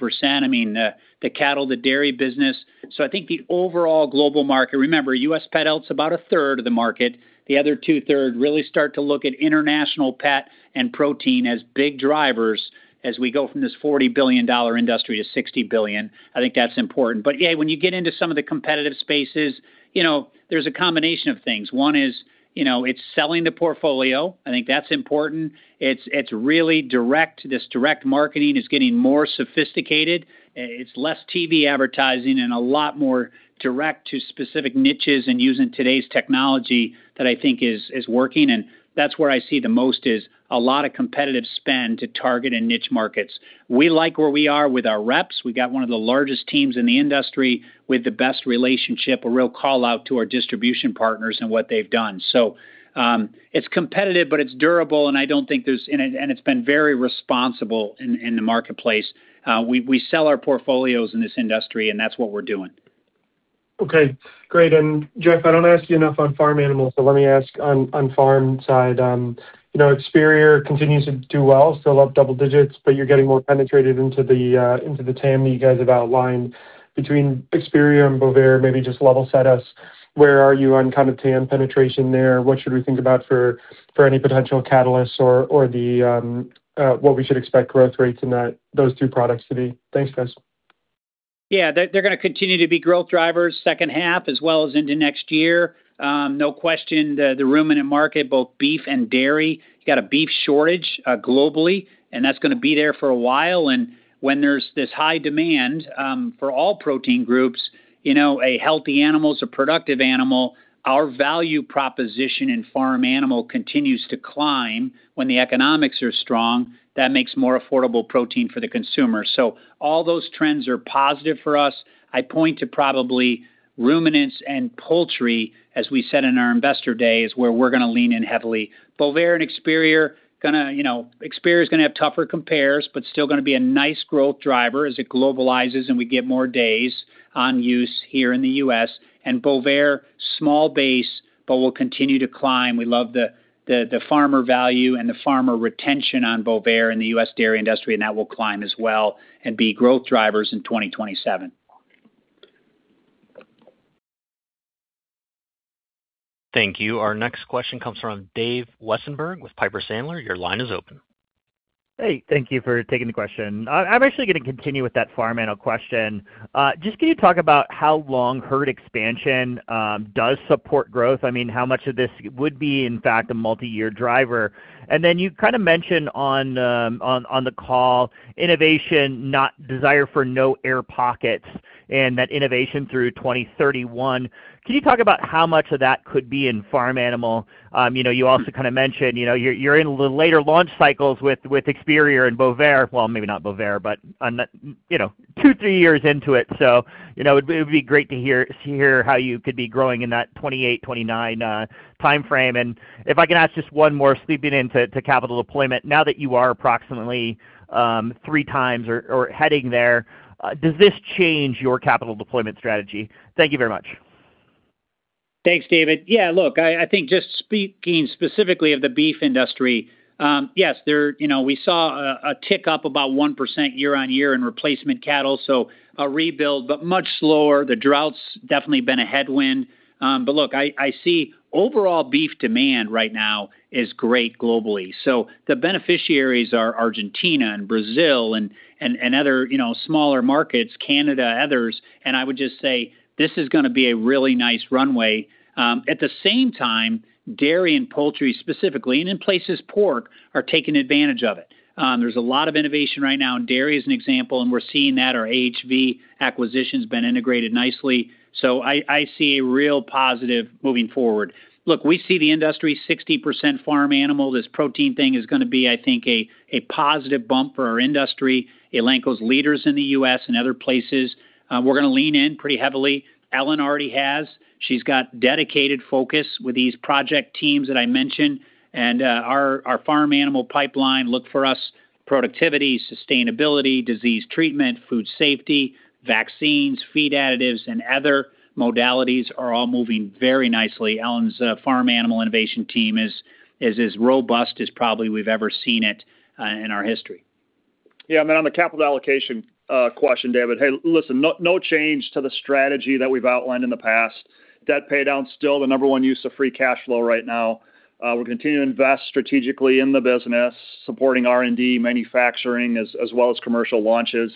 The cattle, the dairy business. I think the overall global market, remember, U.S. pet health's about 1/3 of the market. The other 2/3 really start to look at international pet and protein as big drivers as we go from this $40 billion industry to $60 billion. I think that's important. When you get into some of the competitive spaces, there's a combination of things. One is, it's selling the portfolio. I think that's important. It's really direct. This direct marketing is getting more sophisticated. It's less TV advertising and a lot more direct to specific niches and using today's technology that I think is working. That's where I see the most is a lot of competitive spend to target in niche markets. We like where we are with our reps. We got one of the largest teams in the industry with the best relationship, a real call-out to our distribution partners and what they've done. It's competitive, but it's durable, and it's been very responsible in the marketplace. We sell our portfolios in this industry, and that's what we're doing. Okay, great. Jeff, I don't ask you enough on farm animals, so let me ask on farm side. Experior continues to do well, still up double digits, but you're getting more penetrated into the TAM that you guys have outlined between Experior and Bovaer, maybe just level set us. Where are you on TAM penetration there? What should we think about for any potential catalysts or what we should expect growth rates in those two products to be? Thanks, guys. They're going to continue to be growth drivers second half as well as into next year. No question, the ruminant market, both beef and dairy. You got a beef shortage globally. That's going to be there for a while. When there's this high demand for all protein groups, a healthy animal is a productive animal. Our value proposition in farm animal continues to climb when the economics are strong, that makes more affordable protein for the consumer. All those trends are positive for us. I'd point to probably ruminants and poultry, as we said in our investor day, is where we're going to lean in heavily. Bovaer and Experior. Experior is going to have tougher compares, but still going to be a nice growth driver as it globalizes and we get more days on use here in the U.S., and Bovaer small base, but will continue to climb. We love the farmer value and the farmer retention on Bovaer in the U.S. dairy industry, and that will climb as well and be growth drivers in 2027. Thank you. Our next question comes from Dave Westenberg with Piper Sandler. Your line is open. Hey, thank you for taking the question. I'm actually going to continue with that farm animal question. Can you talk about how long herd expansion does support growth? How much of this would be, in fact, a multi-year driver? You kind of mentioned on the call, innovation, not desire for no air pockets, and that innovation through 2031. Can you talk about how much of that could be in farm animal? You also kind of mentioned, you're in the later launch cycles with Experior and Bovaer. Well, maybe not Bovaer, but on that two, three years into it. It would be great to hear how you could be growing in that 2028, 2029 timeframe. If I can ask just one more, sweeping into capital deployment. Now that you are approximately 3x or heading there, does this change your capital deployment strategy? Thank you very much. Thanks, David. I think just speaking specifically of the beef industry. Yes, we saw a tick up about 1% year-on-year in replacement cattle, so a rebuild, but much slower. The drought's definitely been a headwind. I see overall beef demand right now is great globally. The beneficiaries are Argentina and Brazil and other smaller markets, Canada, others, and I would just say this is going to be a really nice runway. At the same time, dairy and poultry specifically, and in places pork, are taking advantage of it. There's a lot of innovation right now, and dairy is an example, and we're seeing that. Our AHV acquisition's been integrated nicely. I see a real positive moving forward. We see the industry 60% farm animal. This protein thing is going to be, I think, a positive bump for our industry. Elanco's leaders in the U.S. and other places. We're going to lean in pretty heavily. Ellen already has. She's got dedicated focus with these project teams that I mentioned and our farm animal pipeline look for us productivity, sustainability, disease treatment, food safety, vaccines, feed additives, and other modalities are all moving very nicely. Ellen's farm animal innovation team is as robust as probably we've ever seen it in our history. On the capital allocation question, Dave. Listen, no change to the strategy that we've outlined in the past. Debt paydown's still the number one use of free cash flow right now. We'll continue to invest strategically in the business, supporting R&D, manufacturing, as well as commercial launches.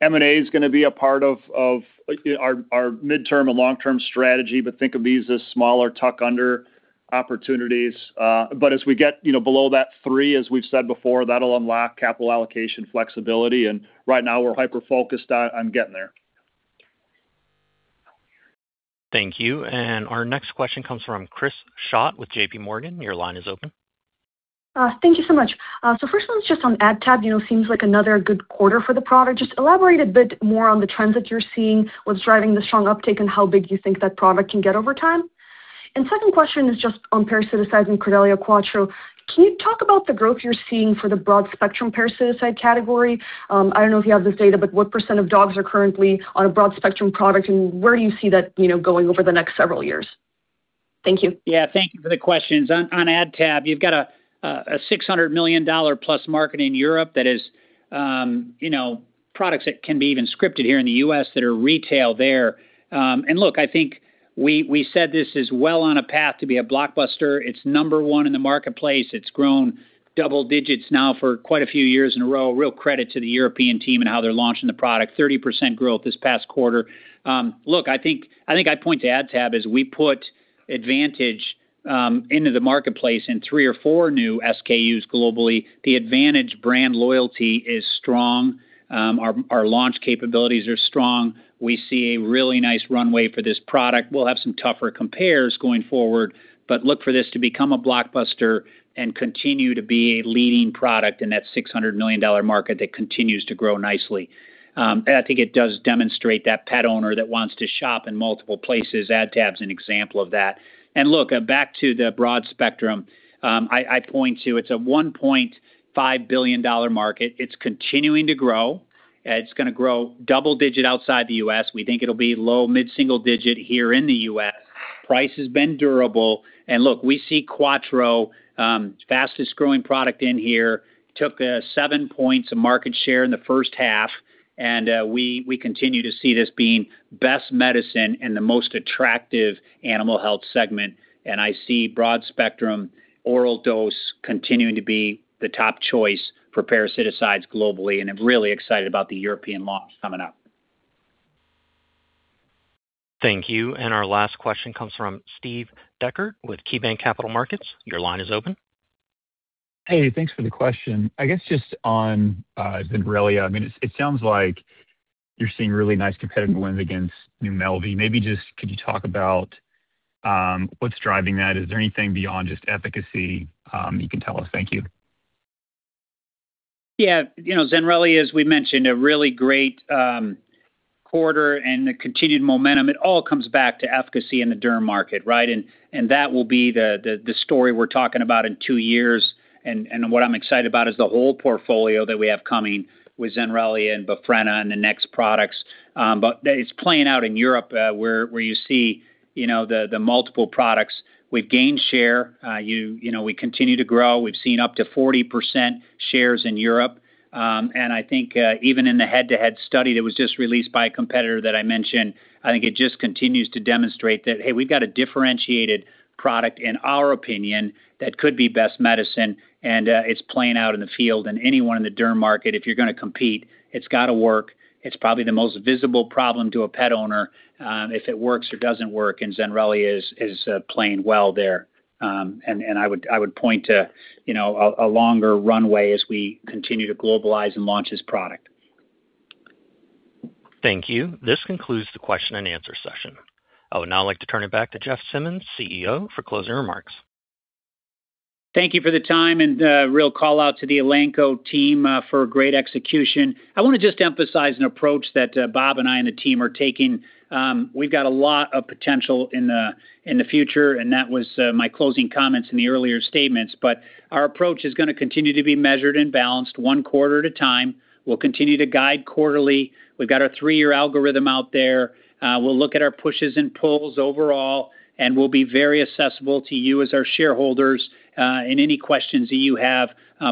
M&A is going to be a part of our midterm and long-term strategy, but think of these as smaller tuck under opportunities. As we get below that three, as we've said before, that'll unlock capital allocation flexibility. Right now, we're hyper-focused on getting there. Thank you. Our next question comes from Chris Schott with JPMorgan. Your line is open. Thank you so much. First one's just on AdTab. Seems like another good quarter for the product. Just elaborate a bit more on the trends that you're seeing, what's driving the strong uptick, and how big you think that product can get over time. Second question is just on parasiticides and Credelio Quattro. Can you talk about the growth you're seeing for the broad-spectrum parasiticide category? I don't know if you have this data, but what percent of dogs are currently on a broad-spectrum product, and where do you see that going over the next several years? Thank you. Yeah, thank you for the questions. On AdTab, you've got a $600 million-plus market in Europe that is products that can be even scripted here in the U.S. that are retailed there. Look, I think we said this is well on a path to be a blockbuster. It's number one in the marketplace. It's grown double digits now for quite a few years in a row. Real credit to the European team and how they're launching the product. 30% growth this past quarter. Look, I think I'd point to AdTab as we put Advantage into the marketplace in three or four new SKUs globally. The Advantage brand loyalty is strong. Our launch capabilities are strong. We see a really nice runway for this product. We'll have some tougher compares going forward, look for this to become a blockbuster and continue to be a leading product in that $600 million market that continues to grow nicely. I think it does demonstrate that pet owner that wants to shop in multiple places, AdTab's an example of that. Look, back to the broad-spectrum, I'd point to it's a $1.5 billion market. It's continuing to grow. It's going to grow double-digit outside the U.S. We think it'll be low- to mid-single digit here in the U.S. Price has been durable. Look, we see Quattro, fastest-growing product in here, took 7 points of market share in the first half, and we continue to see this being best medicine in the most attractive animal health segment. I see broad-spectrum oral dose continuing to be the top choice for parasiticides globally. I'm really excited about the European launch coming up. Thank you. Our last question comes from Steve Decker with KeyBanc Capital Markets. Your line is open. Hey, thanks for the question. I guess just on Zenrelia. It sounds like you're seeing really nice competitive wins against Numelvi. Maybe just could you talk about what's driving that? Is there anything beyond just efficacy you can tell us? Thank you. Yeah. Zenrelia, as we mentioned, a really great quarter and a continued momentum. It all comes back to efficacy in the derm market, right? That will be the story we're talking about in two years. What I'm excited about is the whole portfolio that we have coming with Zenrelia and Befrena and the next products. It's playing out in Europe, where you see the multiple products. We've gained share. We continue to grow. We've seen up to 40% shares in Europe. I think even in the head-to-head study that was just released by a competitor that I mentioned, I think it just continues to demonstrate that, hey, we've got a differentiated product, in our opinion, that could be best medicine, and it's playing out in the field. Anyone in the derm market, if you're going to compete, it's got to work. It's probably the most visible problem to a pet owner if it works or doesn't work, and Zenrelia is playing well there. I would point to a longer runway as we continue to globalize and launch this product. Thank you. This concludes the question-and-answer session. I would now like to turn it back to Jeff Simmons, CEO, for closing remarks. Thank you for the time, a real call-out to the Elanco team for a great execution. I want to just emphasize an approach that Bob and I and the team are taking. We've got a lot of potential in the future, that was my closing comments in the earlier statements. Our approach is going to continue to be measured and balanced one quarter at a time. We'll continue to guide quarterly. We've got our three-year algorithm out there. We'll look at our pushes and pulls overall, we'll be very accessible to you as our shareholders in any questions that you have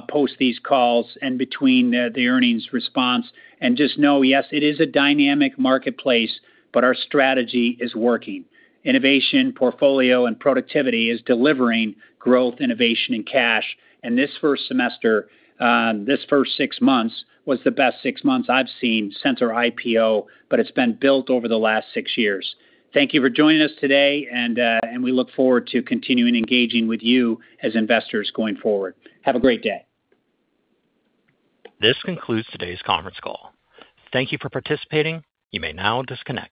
post these calls and between the earnings response. Just know, yes, it is a dynamic marketplace, but our strategy is working. Innovation, portfolio, and productivity is delivering growth, innovation, and cash. This first semester, this first six months, was the best six months I've seen since our IPO, but it's been built over the last six years. Thank you for joining us today, we look forward to continuing engaging with you as investors going forward. Have a great day. This concludes today's conference call. Thank you for participating. You may now disconnect.